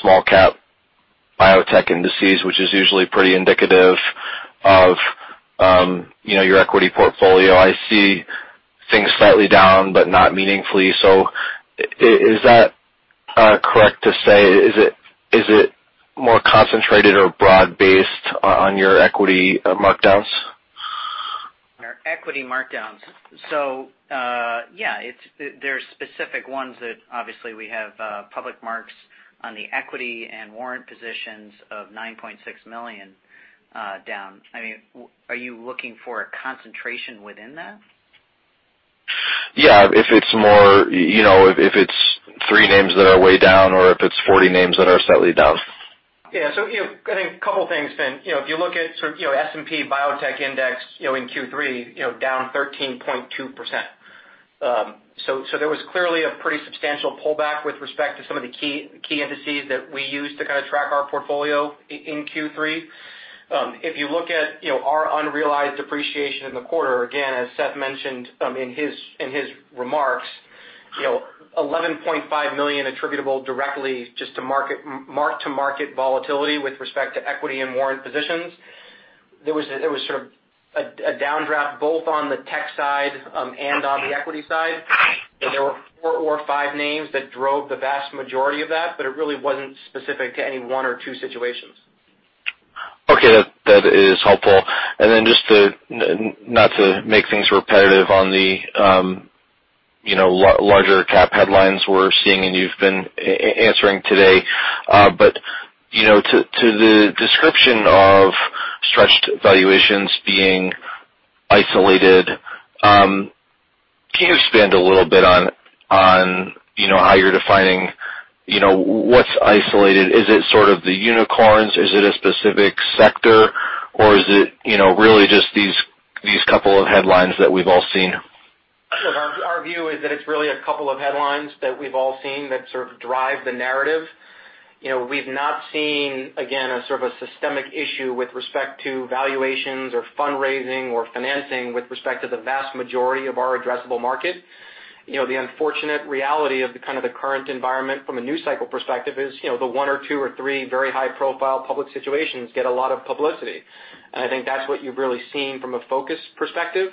small-cap biotech indices, which is usually pretty indicative of your equity portfolio. I see things slightly down, but not meaningfully. Is that correct to say, is it more concentrated or broad-based on your equity markdowns? Our equity markdowns. Yeah. There's specific ones that obviously we have public marks on the equity and warrant positions of $9.6 million down. Are you looking for a concentration within that? Yeah, if it's three names that are way down or if it's 40 names that are slightly down. Yeah. I think a couple things, Finn. If you look at S&P biotech index in Q3, down 13.2%. There was clearly a pretty substantial pullback with respect to some of the key indices that we use to track our portfolio in Q3. If you look at our unrealized appreciation in the quarter, again, as Seth mentioned in his remarks, $11.5 million attributable directly just to mark-to-market volatility with respect to equity and warrant positions. There was sort of a downdraft both on the tech side and on the equity side. There were four or five names that drove the vast majority of that, but it really wasn't specific to any one or two situations. Okay. That is helpful. Just not to make things repetitive on the larger cap headlines we're seeing, and you've been answering today. To the description of stretched valuations being isolated, can you expand a little bit on how you're defining what's isolated? Is it sort of the unicorns? Is it a specific sector, or is it really just these couple of headlines that we've all seen? Look, our view is that it's really a couple of headlines that we've all seen that sort of drive the narrative. We've not seen, again, a sort of a systemic issue with respect to valuations or fundraising or financing with respect to the vast majority of our addressable market. The unfortunate reality of the current environment from a news cycle perspective is, the one or two or three very high-profile public situations get a lot of publicity. I think that's what you've really seen from a focus perspective.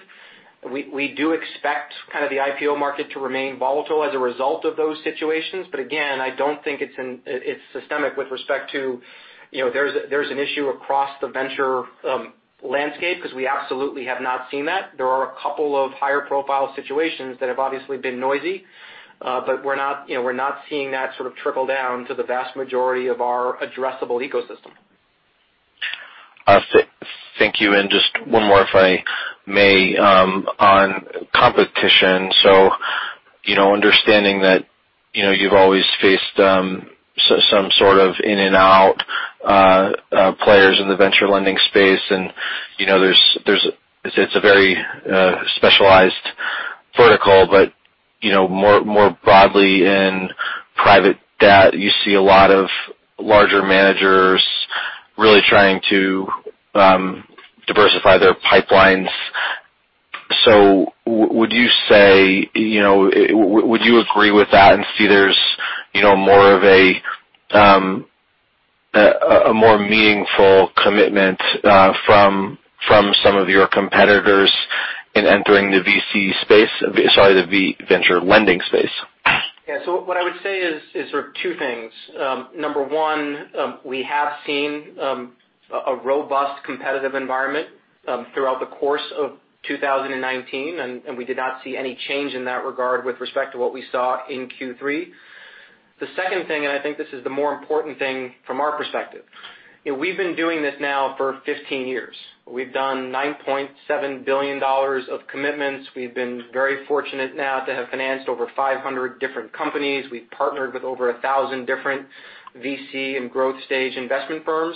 We do expect the IPO market to remain volatile as a result of those situations, but again, I don't think it's systemic with respect to there's an issue across the venture landscape, because we absolutely have not seen that. There are a couple of higher profile situations that have obviously been noisy. We're not seeing that sort of trickle down to the vast majority of our addressable ecosystem. Thank you. Just one more, if I may, on competition. Understanding that you've always faced some sort of in and out players in the venture lending space, and it's a very specialized vertical. More broadly in private debt, you see a lot of larger managers really trying to diversify their pipelines. Would you agree with that and see there's a more meaningful commitment from some of your competitors in entering the VC space? Sorry, the venture lending space. Yeah. What I would say is sort of two things. Number one, we have seen a robust competitive environment, throughout the course of 2019, and we did not see any change in that regard with respect to what we saw in Q3. The second thing, I think this is the more important thing from our perspective. We've been doing this now for 15 years. We've done $9.7 billion of commitments. We've been very fortunate now to have financed over 500 different companies. We've partnered with over 1,000 different VC and growth stage investment firms.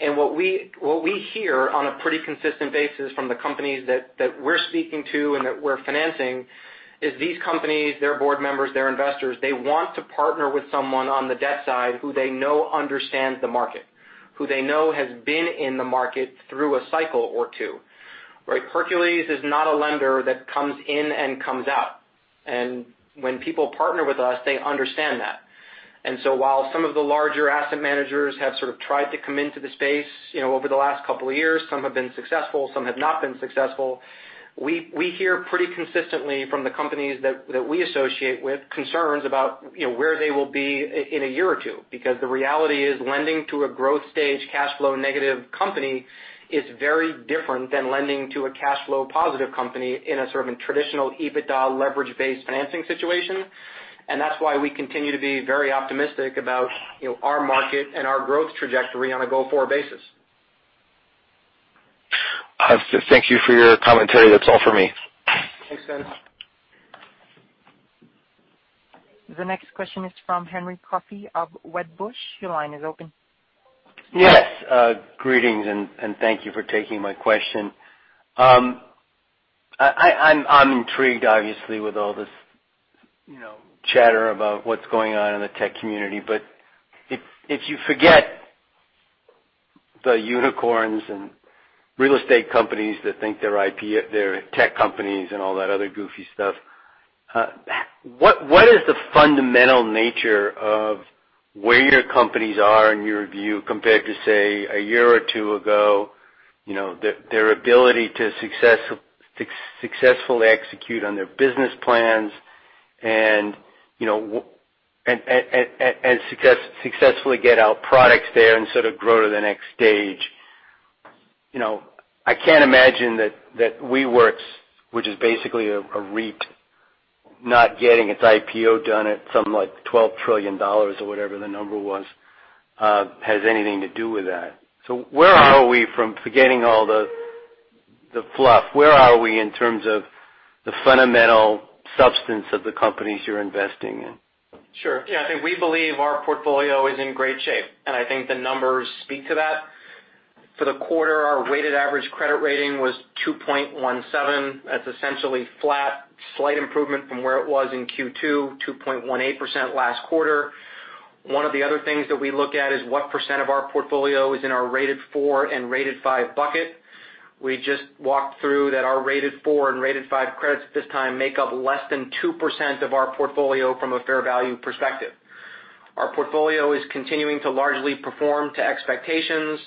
What we hear on a pretty consistent basis from the companies that we're speaking to and that we're financing is these companies, their board members, their investors, they want to partner with someone on the debt side who they know understands the market, who they know has been in the market through a cycle or two. Right? Hercules is not a lender that comes in and comes out. When people partner with us, they understand that. While some of the larger asset managers have sort of tried to come into the space over the last couple of years, some have been successful, some have not been successful. We hear pretty consistently from the companies that we associate with concerns about where they will be in a year or two. The reality is, lending to a growth stage cash flow negative company is very different than lending to a cash flow positive company in a sort of a traditional EBITDA leverage-based financing situation. That's why we continue to be very optimistic about our market and our growth trajectory on a go-forward basis. Thank you for your commentary. That's all for me. Thanks, Finian. The next question is from Henry Coffey of Wedbush. Your line is open. Yes. Greetings, thank you for taking my question. I'm intrigued, obviously, with all this chatter about what's going on in the tech community. If you forget the unicorns and real estate companies that think they're tech companies and all that other goofy stuff, what is the fundamental nature of where your companies are in your view compared to, say, a year or 2 ago? Their ability to successfully execute on their business plans and successfully get out products there and sort of grow to the next stage. I can't imagine that WeWork's, which is basically a REIT, not getting its IPO done at something like $12 trillion or whatever the number was, has anything to do with that. Where are we from forgetting all the fluff? Where are we in terms of the fundamental substance of the companies you're investing in? Sure. Yeah, I think we believe our portfolio is in great shape, and I think the numbers speak to that. For the quarter, our weighted average credit rating was 2.17. That's essentially flat, slight improvement from where it was in Q2, 2.18% last quarter. One of the other things that we look at is what % of our portfolio is in our rated 4 and rated 5 bucket. We just walked through that our rated 4 and rated 5 credits at this time make up less than 2% of our portfolio from a fair value perspective. Our portfolio is continuing to largely perform to expectations.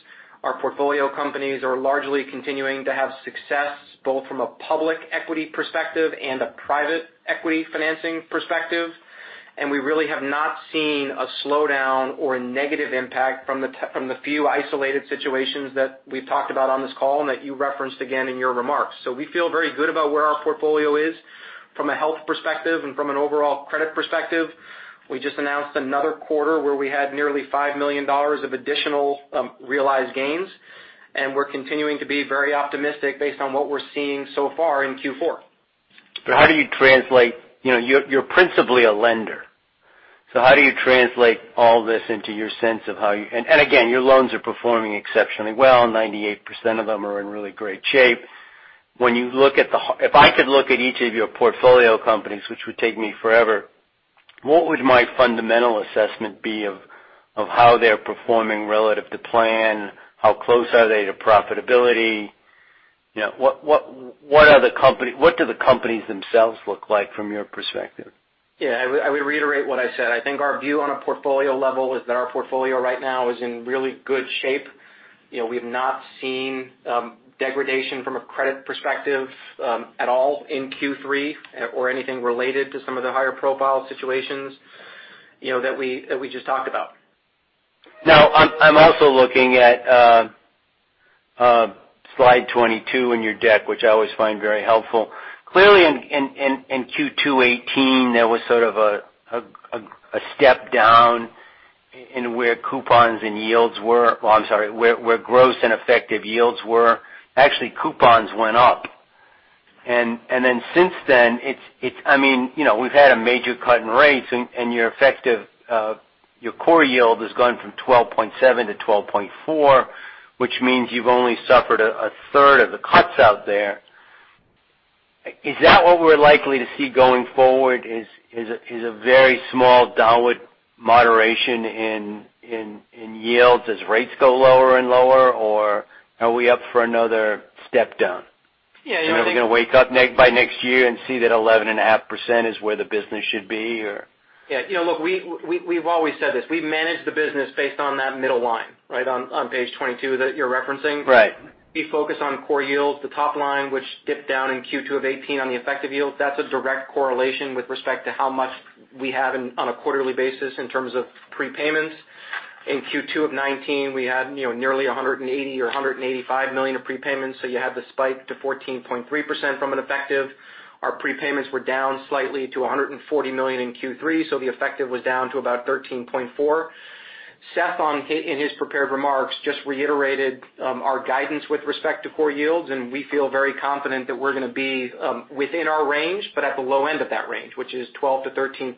Our portfolio companies are largely continuing to have success both from a public equity perspective and a private equity financing perspective. We really have not seen a slowdown or a negative impact from the few isolated situations that we've talked about on this call and that you referenced again in your remarks. We feel very good about where our portfolio is from a health perspective and from an overall credit perspective. We just announced another quarter where we had nearly $5 million of additional realized gains, and we're continuing to be very optimistic based on what we're seeing so far in Q4. You're principally a lender, so how do you translate all this into your sense of how you? Again, your loans are performing exceptionally well. 98% of them are in really great shape. If I could look at each of your portfolio companies, which would take me forever, what would my fundamental assessment be of how they're performing relative to plan? How close are they to profitability? What do the companies themselves look like from your perspective? Yeah, I would reiterate what I said. I think our view on a portfolio level is that our portfolio right now is in really good shape. We have not seen degradation from a credit perspective at all in Q3 or anything related to some of the higher profile situations that we just talked about. I'm also looking at slide 22 in your deck, which I always find very helpful. Clearly in Q2 2018, there was sort of a step down in where coupons and yields were. Well, I'm sorry, where gross and effective yields were. Actually, coupons went up. Since then, we've had a major cut in rates, and your core yield has gone from 12.7% to 12.4%, which means you've only suffered a third of the cuts out there. Is that what we're likely to see going forward, is a very small downward moderation in yields as rates go lower and lower? Are we up for another step down? Yeah, you know. Are we going to wake up by next year and see that 11.5% is where the business should be, or? Yeah, look, we've always said this. We've managed the business based on that middle line right on page 22 that you're referencing. Right. We focus on core yields. The top line, which dipped down in Q2 2018 on the effective yield, that is a direct correlation with respect to how much we have on a quarterly basis in terms of prepayments. In Q2 2019, we had nearly $180 million or $185 million of prepayments, you had the spike to 14.3% from an effective. Our prepayments were down slightly to $140 million in Q3, the effective was down to about 13.4%. Seth, in his prepared remarks, just reiterated our guidance with respect to core yields, we feel very confident that we are going to be within our range, but at the low end of that range, which is 12%-13%,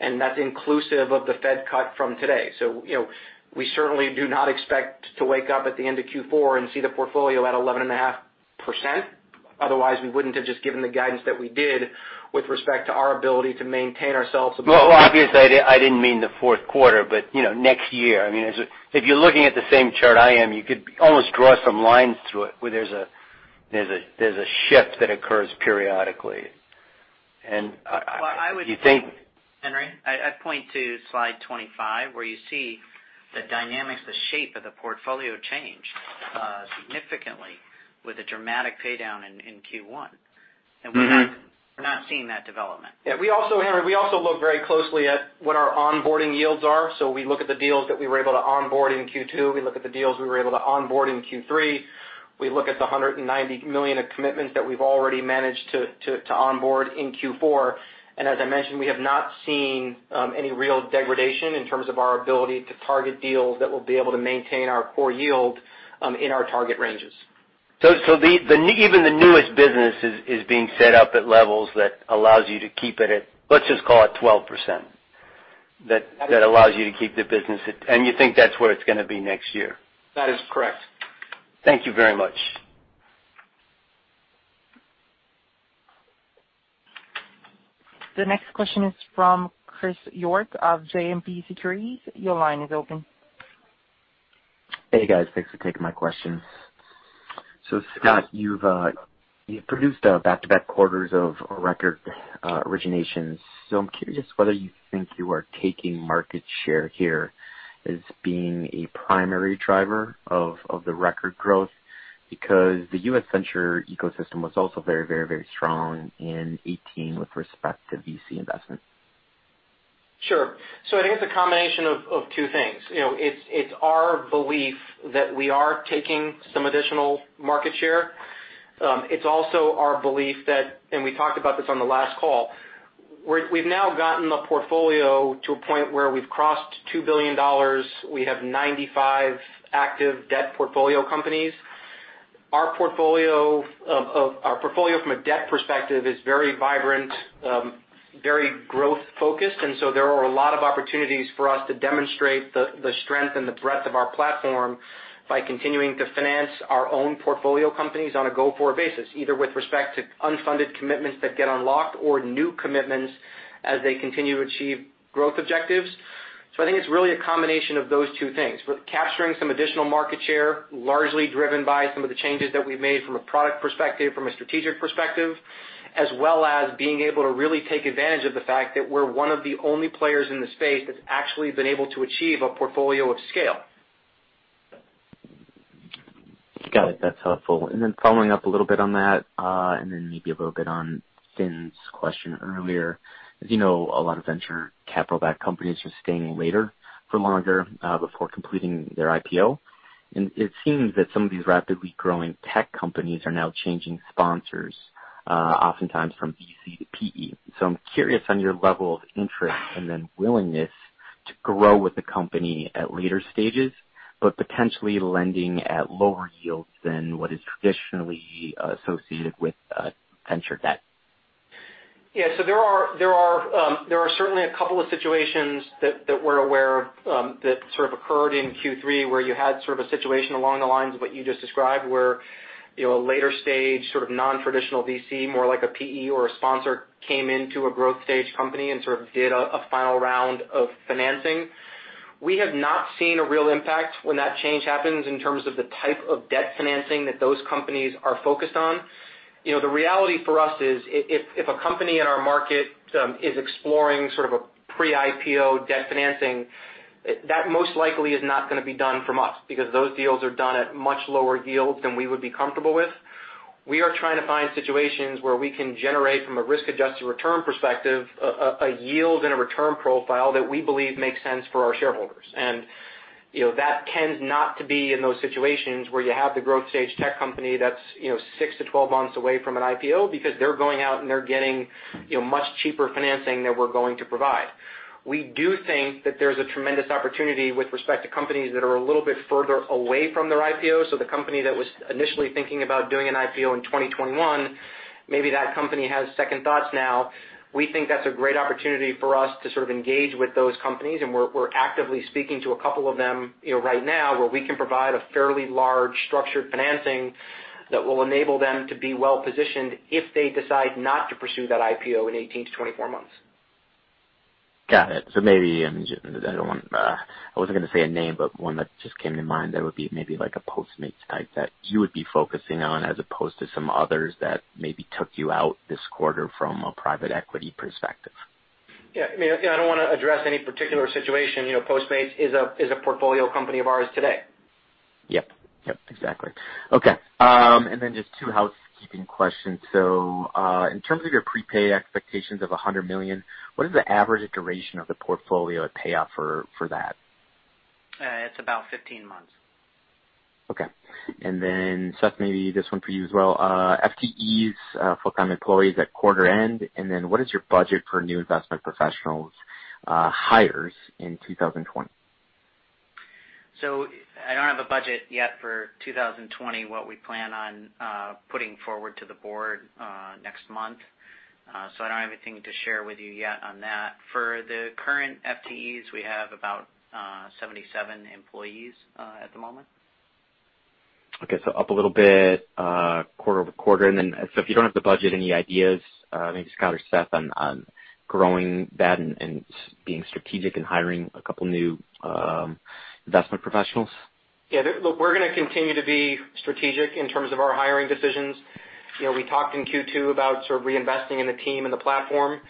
and that is inclusive of the Fed cut from today. We certainly do not expect to wake up at the end of Q4 and see the portfolio at 11.5%. Otherwise, we wouldn't have just given the guidance that we did with respect to our ability to maintain ourselves above-. Well, obviously, I didn't mean the fourth quarter, but next year. If you're looking at the same chart I am, you could almost draw some lines through it where there's a shift that occurs periodically. Do you think? Well, Henry, I'd point to slide 25, where you see the dynamics, the shape of the portfolio change significantly with a dramatic paydown in Q1. We're not seeing that development. Henry, we also look very closely at what our onboarding yields are. We look at the deals that we were able to onboard in Q2. We look at the deals we were able to onboard in Q3. We look at the $190 million of commitments that we've already managed to onboard in Q4. As I mentioned, we have not seen any real degradation in terms of our ability to target deals that will be able to maintain our core yield in our target ranges. Even the newest business is being set up at levels that allows you to keep it at, let's just call it 12%, that allows you to keep the business, and you think that's where it's going to be next year? That is correct. Thank you very much. The next question is from Christopher York of JMP Securities. Your line is open. Hey, guys. Thanks for taking my question. Scott, you've produced back-to-back quarters of record originations. I'm curious whether you think you are taking market share here as being a primary driver of the record growth because the U.S. venture ecosystem was also very strong in 2018 with respect to VC investments. Sure. I think it's a combination of two things. It's our belief that we are taking some additional market share. It's also our belief that, and we talked about this on the last call, we've now gotten the portfolio to a point where we've crossed $2 billion. We have 95 active debt portfolio companies. Our portfolio from a debt perspective is very vibrant, very growth-focused, and so there are a lot of opportunities for us to demonstrate the strength and the breadth of our platform by continuing to finance our own portfolio companies on a go-forward basis, either with respect to unfunded commitments that get unlocked or new commitments as they continue to achieve growth objectives. I think it's really a combination of those two things. We're capturing some additional market share, largely driven by some of the changes that we've made from a product perspective, from a strategic perspective, as well as being able to really take advantage of the fact that we're one of the only players in the space that's actually been able to achieve a portfolio of scale. Got it. That's helpful. Following up a little bit on that, and then maybe a little bit on Finn's question earlier. As you know, a lot of venture capital-backed companies are staying later for longer before completing their IPO. It seems that some of these rapidly growing tech companies are now changing sponsors, oftentimes from VC to PE. I'm curious on your level of interest and then willingness to grow with the company at later stages, but potentially lending at lower yields than what is traditionally associated with venture debt. Yeah. There are certainly a couple of situations that we're aware of that sort of occurred in Q3, where you had sort of a situation along the lines of what you just described, where a later stage, sort of non-traditional VC, more like a PE or a sponsor, came into a growth stage company and sort of did a final round of financing. We have not seen a real impact when that change happens in terms of the type of debt financing that those companies are focused on. The reality for us is, if a company in our market is exploring sort of a pre-IPO debt financing, that most likely is not going to be done from us because those deals are done at much lower yields than we would be comfortable with. We are trying to find situations where we can generate from a risk-adjusted return perspective, a yield and a return profile that we believe makes sense for our shareholders. That tends not to be in those situations where you have the growth stage tech company that is 6 months-12 months away from an IPO because they are going out and they are getting much cheaper financing than we are going to provide. The company that was initially thinking about doing an IPO in 2021, maybe that company has second thoughts now. We think that's a great opportunity for us to sort of engage with those companies, and we're actively speaking to a couple of them right now, where we can provide a fairly large structured financing that will enable them to be well-positioned if they decide not to pursue that IPO in 18-24 months. Got it. Maybe, I wasn't going to say a name, but one that just came to mind that would be maybe like a Postmates type that you would be focusing on as opposed to some others that maybe took you out this quarter from a private equity perspective. Yeah. I don't want to address any particular situation. Postmates is a portfolio company of ours today. Yep. Exactly. Okay. Then just two housekeeping questions. In terms of your prepaid expectations of $100 million, what is the average duration of the portfolio at payoff for that? It's about 15 months. Okay. Seth, maybe this one for you as well. FTEs, full-time employees at quarter end, and then what is your budget for new investment professionals hires in 2020? I don't have a budget yet for 2020, what we plan on putting forward to the board next month. I don't have anything to share with you yet on that. For the current FTEs, we have about 77 employees at the moment. Okay, up a little bit quarter-over-quarter. If you don't have the budget, any ideas, maybe Scott or Seth, on growing that and being strategic and hiring a couple of new investment professionals? Yeah, look, we're going to continue to be strategic in terms of our hiring decisions. We talked in Q2 about sort of reinvesting in the team and the platform.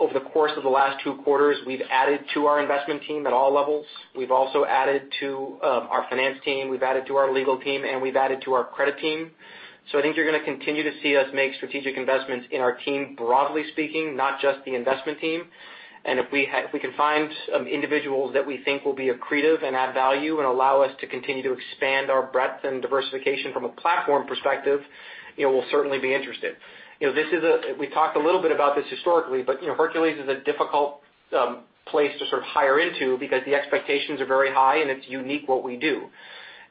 Over the course of the last two quarters, we've added to our investment team at all levels. We've also added to our finance team, we've added to our legal team, and we've added to our credit team. I think you're going to continue to see us make strategic investments in our team, broadly speaking, not just the investment team. If we can find some individuals that we think will be accretive and add value and allow us to continue to expand our breadth and diversification from a platform perspective, we'll certainly be interested. We talked a little bit about this historically, but Hercules is a difficult place to sort of hire into because the expectations are very high, and it's unique what we do.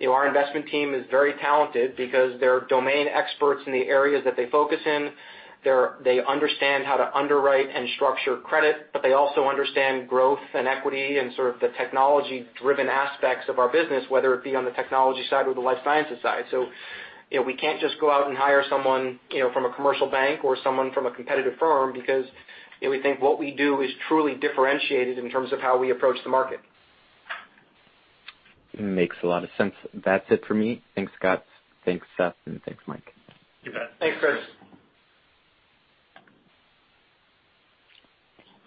Our investment team is very talented because they're domain experts in the areas that they focus in. They understand how to underwrite and structure credit, but they also understand growth and equity and sort of the technology-driven aspects of our business, whether it be on the technology side or the life sciences side. We can't just go out and hire someone from a commercial bank or someone from a competitive firm because we think what we do is truly differentiated in terms of how we approach the market. Makes a lot of sense. That's it for me. Thanks, Scott. Thanks, Seth, and thanks, Mike. You bet. Thanks, Chris.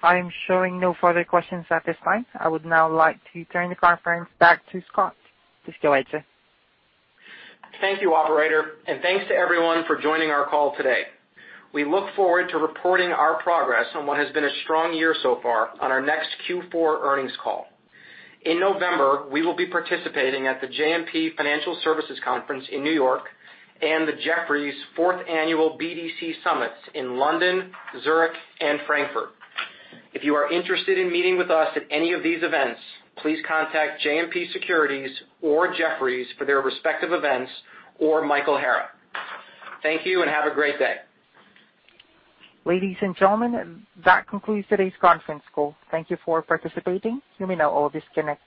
I am showing no further questions at this time. I would now like to turn the conference back to Scott. Please go ahead, sir. Thank you, operator, and thanks to everyone for joining our call today. We look forward to reporting our progress on what has been a strong year so far on our next Q4 earnings call. In November, we will be participating at the JMP Financial Services Conference in New York and the Jefferies fourth annual BDC Summits in London, Zurich, and Frankfurt. If you are interested in meeting with us at any of these events, please contact JMP Securities or Jefferies for their respective events or Michael Hara. Thank you and have a great day. Ladies and gentlemen, that concludes today's conference call. Thank you for participating. You may now all disconnect.